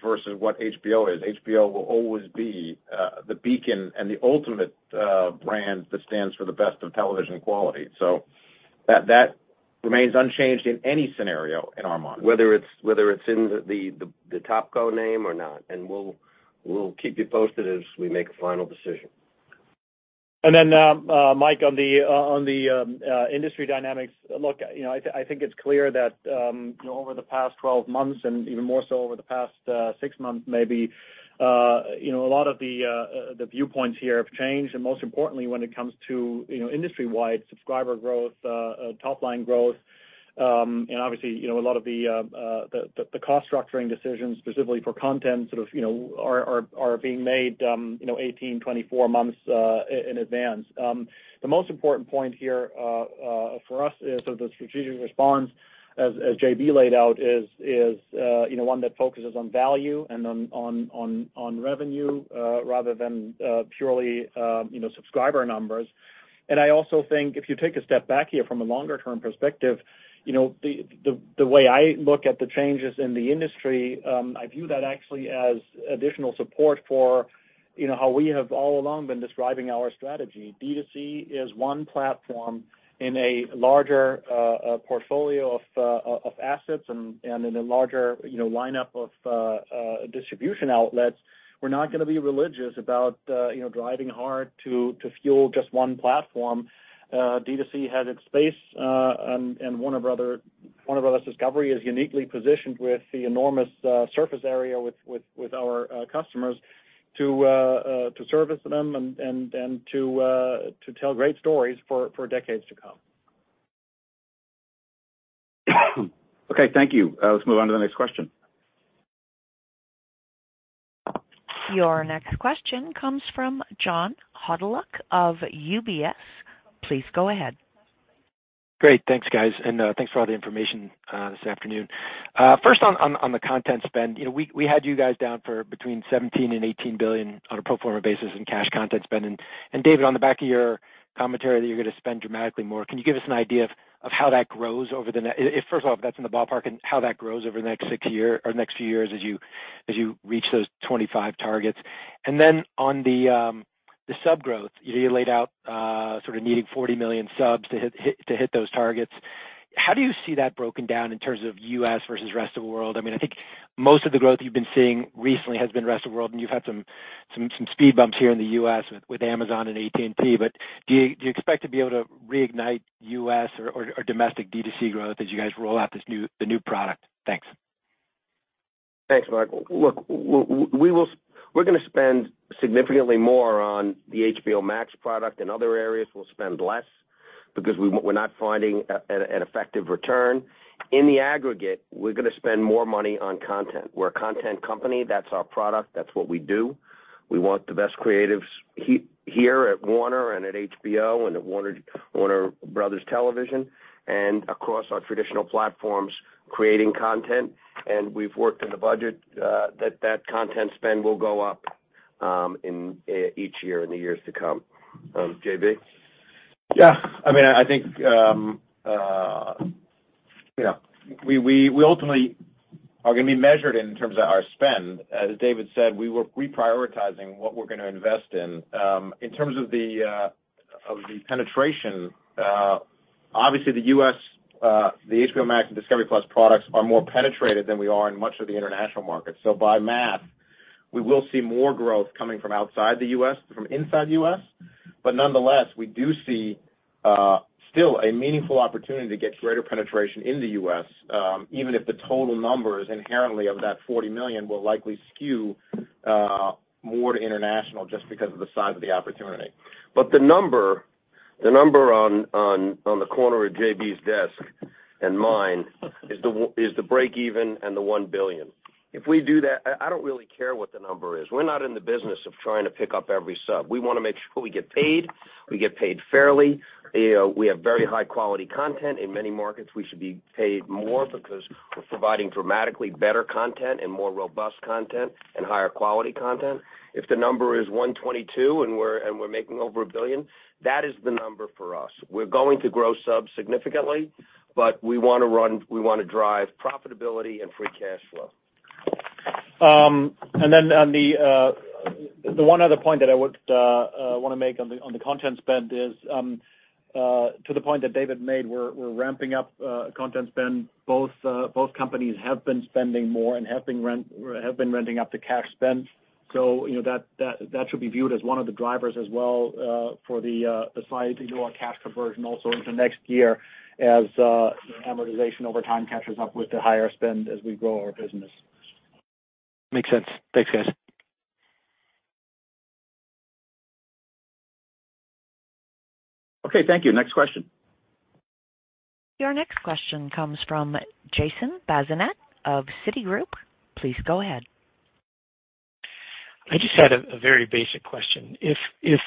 Speaker 4: versus what HBO is. HBO will always be the beacon and the ultimate brand that stands for the best of television quality. That remains unchanged in any scenario in our mind.
Speaker 3: Whether it's in the TopCo name or not, and we'll keep you posted as we make a final decision.
Speaker 5: Mike, on the industry dynamics, look, you know, I think it's clear that, you know, over the past 12 months and even more so over the past 6 months maybe, you know, a lot of the viewpoints here have changed. Most importantly, when it comes to, you know, industry-wide subscriber growth, top line growth, and obviously, you know, a lot of the cost structuring decisions specifically for content sort of, you know, are being made, you know, 18-24 months in advance. The most important point here for us is sort of the strategic response as JB laid out is you know one that focuses on value and on revenue rather than purely you know subscriber numbers. I also think if you take a step back here from a longer term perspective you know the way I look at the changes in the industry I view that actually as additional support for you know how we have all along been describing our strategy. D2C is one platform in a larger portfolio of assets and in a larger you know lineup of distribution outlets. We're not gonna be religious about you know driving hard to fuel just one platform. D2C has its space, and Warner Bros. Discovery is uniquely positioned with the enormous surface area with our customers to service them and to tell great stories for decades to come.
Speaker 2: Okay. Thank you. Let's move on to the next question.
Speaker 1: Your next question comes from John Hodulik of UBS. Please go ahead.
Speaker 13: Great. Thanks, guys. Thanks for all the information this afternoon. First on the content spend. You know, we had you guys down for between $17 billion and $18 billion on a pro forma basis in cash content spend. David, on the back of your commentary that you're gonna spend dramatically more, can you give us an idea of if that's in the ballpark and how that grows over the next six year or next few years as you reach those 25 targets? Then on the sub growth, you laid out sort of needing 40 million subs to hit those targets. How do you see that broken down in terms of U.S. versus rest of the world? I mean, I think most of the growth you've been seeing recently has been rest of the world, and you've had some speed bumps here in the U.S. with Amazon and AT&T. Do you expect to be able to reignite U.S. or domestic D2C growth as you guys roll out this new, the new product? Thanks.
Speaker 3: Thanks, Mike. Look, we're gonna spend significantly more on the HBO Max product. In other areas, we'll spend less because we're not finding an effective return. In the aggregate, we're gonna spend more money on content. We're a content company. That's our product. That's what we do. We want the best creatives here at Warner and at HBO and at Warner Bros. Television and across our traditional platforms creating content. We've worked in the budget that content spend will go up in each year in the years to come. JB?
Speaker 4: Yeah. I mean, I think, you know, we ultimately are gonna be measured in terms of our spend. As David said, we were reprioritizing what we're gonna invest in. In terms of the penetration, obviously the U.S., the HBO Max and discovery+ products are more penetrated than we are in much of the international markets. By math, we will see more growth coming from outside the U.S. than from inside the U.S. Nonetheless, we do see still a meaningful opportunity to get greater penetration in the U.S., even if the total numbers inherently of that 40 million will likely skew more to international just because of the size of the opportunity.
Speaker 3: The number on the corner of JB's desk and mine is the break even and the $1 billion. If we do that, I don't really care what the number is. We're not in the business of trying to pick up every sub. We wanna make sure we get paid, we get paid fairly. You know, we have very high quality content. In many markets, we should be paid more because we're providing dramatically better content and more robust content and higher quality content. If the number is 122 and we're making over $1 billion, that is the number for us. We're going to grow subs significantly, but we wanna drive profitability and free cash flow.
Speaker 4: On the one other point that I would wanna make on the content spend is to the point that David made, we're ramping up content spend. Both companies have been spending more and have been ramping up the cash spend. You know, that should be viewed as one of the drivers as well for the size you know our cash conversion also into next year as you know amortization over time catches up with the higher spend as we grow our business.
Speaker 13: Makes sense. Thanks, guys.
Speaker 2: Okay. Thank you. Next question.
Speaker 1: Your next question comes from Jason Bazinet of Citigroup. Please go ahead.
Speaker 14: I just had a very basic question. If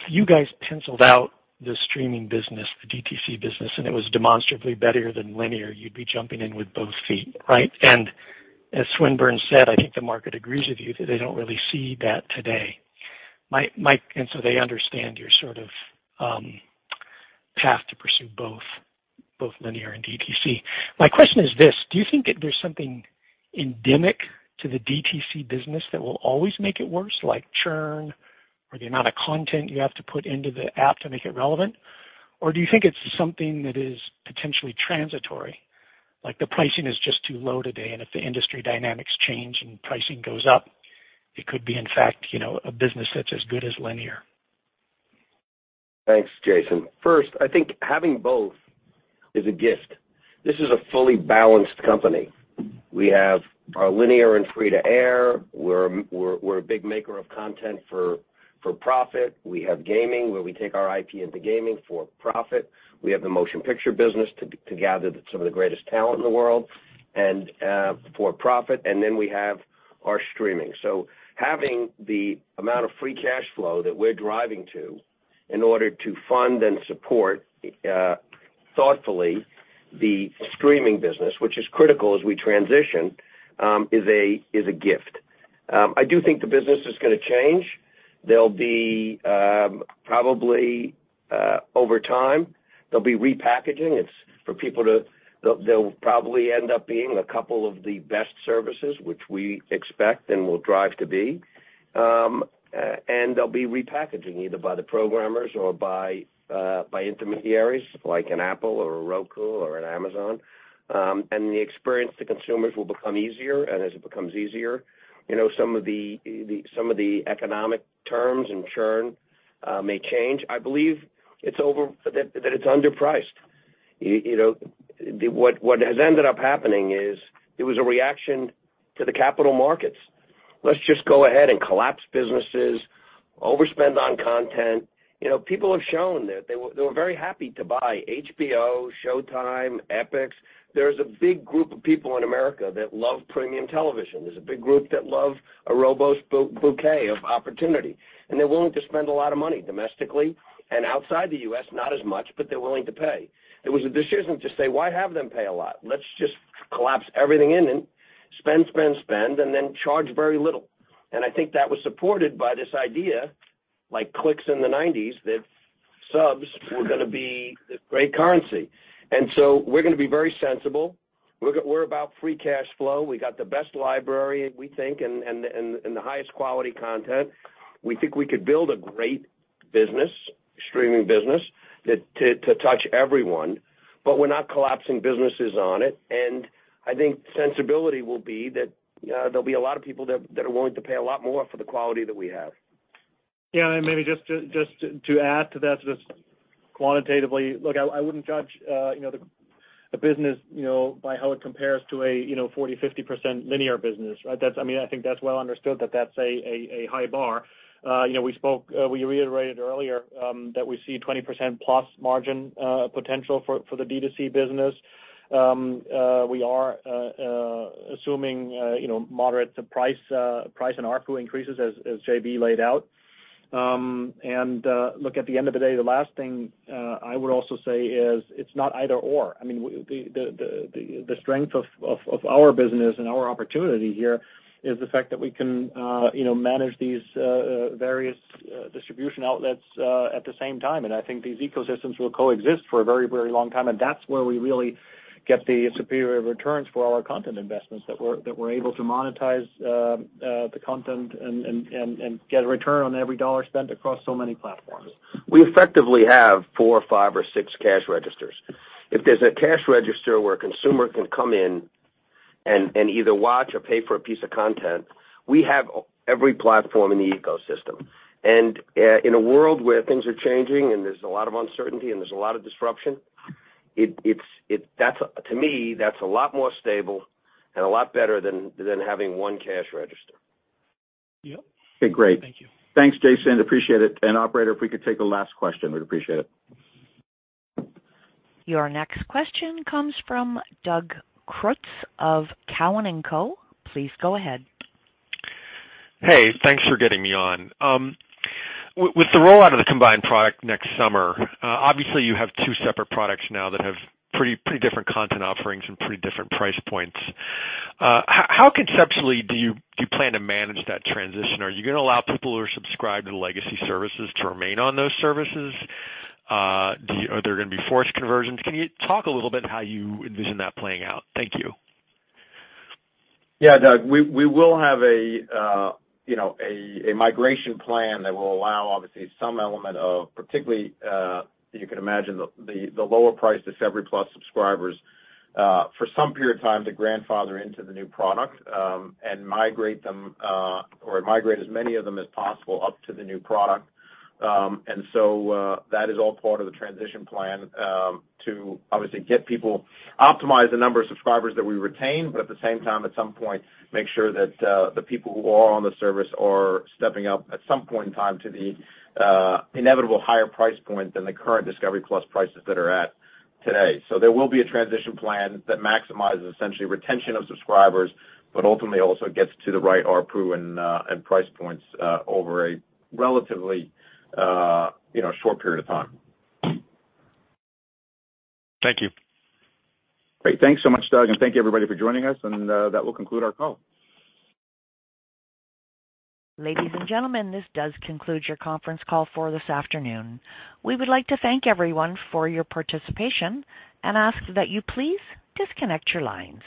Speaker 14: you guys penciled out the streaming business, the DTC business, and it was demonstrably better than linear, you'd be jumping in with both feet, right? As Swinburne said, I think the market agrees with you that they don't really see that today. They understand your sort of path to pursue both linear and DTC. My question is this: Do you think that there's something endemic to the DTC business that will always make it worse, like churn or the amount of content you have to put into the app to make it relevant? Do you think it's something that is potentially transitory, like the pricing is just too low today, and if the industry dynamics change and pricing goes up, it could be, in fact, you know, a business that's as good as linear?
Speaker 3: Thanks, Jason. First, I think having both is a gift. This is a fully balanced company. We have our linear and free to air. We're a big maker of content for profit. We have gaming, where we take our IP into gaming for profit. We have the motion picture business to gather some of the greatest talent in the world and for profit, and then we have our streaming. Having the amount of free cash flow that we're driving to in order to fund and support thoughtfully the streaming business, which is critical as we transition, is a gift. I do think the business is gonna change. There'll be probably over time repackaging. It's for people to. They'll probably end up being a couple of the best services which we expect and will drive to be. And there'll be repackaging either by the programmers or by intermediaries, like an Apple or a Roku or an Amazon. And the experience to consumers will become easier, and as it becomes easier, you know, some of the economic terms and churn may change. I believe it's underpriced. You know, what has ended up happening is it was a reaction to the capital markets. Let's just go ahead and collapse businesses, overspend on content. You know, people have shown that they were very happy to buy HBO, Showtime, Epix. There's a big group of people in America that love premium television. There's a big group that love a robust bouquet of opportunity, and they're willing to spend a lot of money domestically and outside the US, not as much, but they're willing to pay. It was a decision to say, "Why have them pay a lot? Let's just collapse everything in and spend, spend, and then charge very little." I think that was supported by this idea, like clicks in the nineties, that subs were gonna be the great currency. We're gonna be very sensible. We're about free cash flow. We got the best library, we think, and the highest quality content. We think we could build a great business, streaming business that to touch everyone, but we're not collapsing businesses on it. I think sensibility will be that there'll be a lot of people that are willing to pay a lot more for the quality that we have.
Speaker 5: Yeah. Maybe just to add to that quantitatively. Look, I wouldn't judge, you know, the business, you know, by how it compares to a, you know, 40%-50% linear business, right? That's I mean, I think that's well understood that that's a high bar. We reiterated earlier that we see 20% plus margin potential for the D2C business. We are assuming moderate price and ARPU increases as JB laid out. At the end of the day, the last thing I would also say is it's not either/or. I mean, the strength of our business and our opportunity here is the fact that we can, you know, manage these various distribution outlets at the same time. I think these ecosystems will coexist for a very, very long time. That's where we really get the superior returns for all our content investments that we're able to monetize the content and get a return on every dollar spent across so many platforms.
Speaker 4: We effectively have four or five or six cash registers. If there's a cash register where a consumer can come in and either watch or pay for a piece of content, we have every platform in the ecosystem. In a world where things are changing and there's a lot of uncertainty and there's a lot of disruption, that's, to me, a lot more stable and a lot better than having one cash register.
Speaker 5: Yep.
Speaker 14: Okay, great.
Speaker 5: Thank you.
Speaker 4: Thanks, Jason. Appreciate it. Operator, if we could take the last question, we'd appreciate it.
Speaker 1: Your next question comes from Doug Creutz of Cowen and Company. Please go ahead.
Speaker 9: Hey, thanks for getting me on. With the rollout of the combined product next summer, obviously you have two separate products now that have pretty different content offerings and pretty different price points. How conceptually do you plan to manage that transition? Are you gonna allow people who are subscribed to the legacy services to remain on those services? Are there gonna be forced conversions? Can you talk a little bit how you envision that playing out? Thank you.
Speaker 4: Yeah. Doug, we will have a, you know, a migration plan that will allow obviously some element of particularly, you can imagine the lower priced discovery+ subscribers, for some period of time to grandfather into the new product, and migrate them, or migrate as many of them as possible up to the new product. That is all part of the transition plan to obviously optimize the number of subscribers that we retain, but at the same time, at some point, make sure that the people who are on the service are stepping up at some point in time to the inevitable higher price point than the current discovery+ prices that are at today. There will be a transition plan that maximizes essentially retention of subscribers, but ultimately also gets to the right ARPU and price points over a relatively, you know, short period of time.
Speaker 9: Thank you.
Speaker 2: Great. Thanks so much, Doug, and thank you everybody for joining us, and that will conclude our call.
Speaker 1: Ladies and gentlemen, this does conclude your conference call for this afternoon. We would like to thank everyone for your participation and ask that you please disconnect your lines.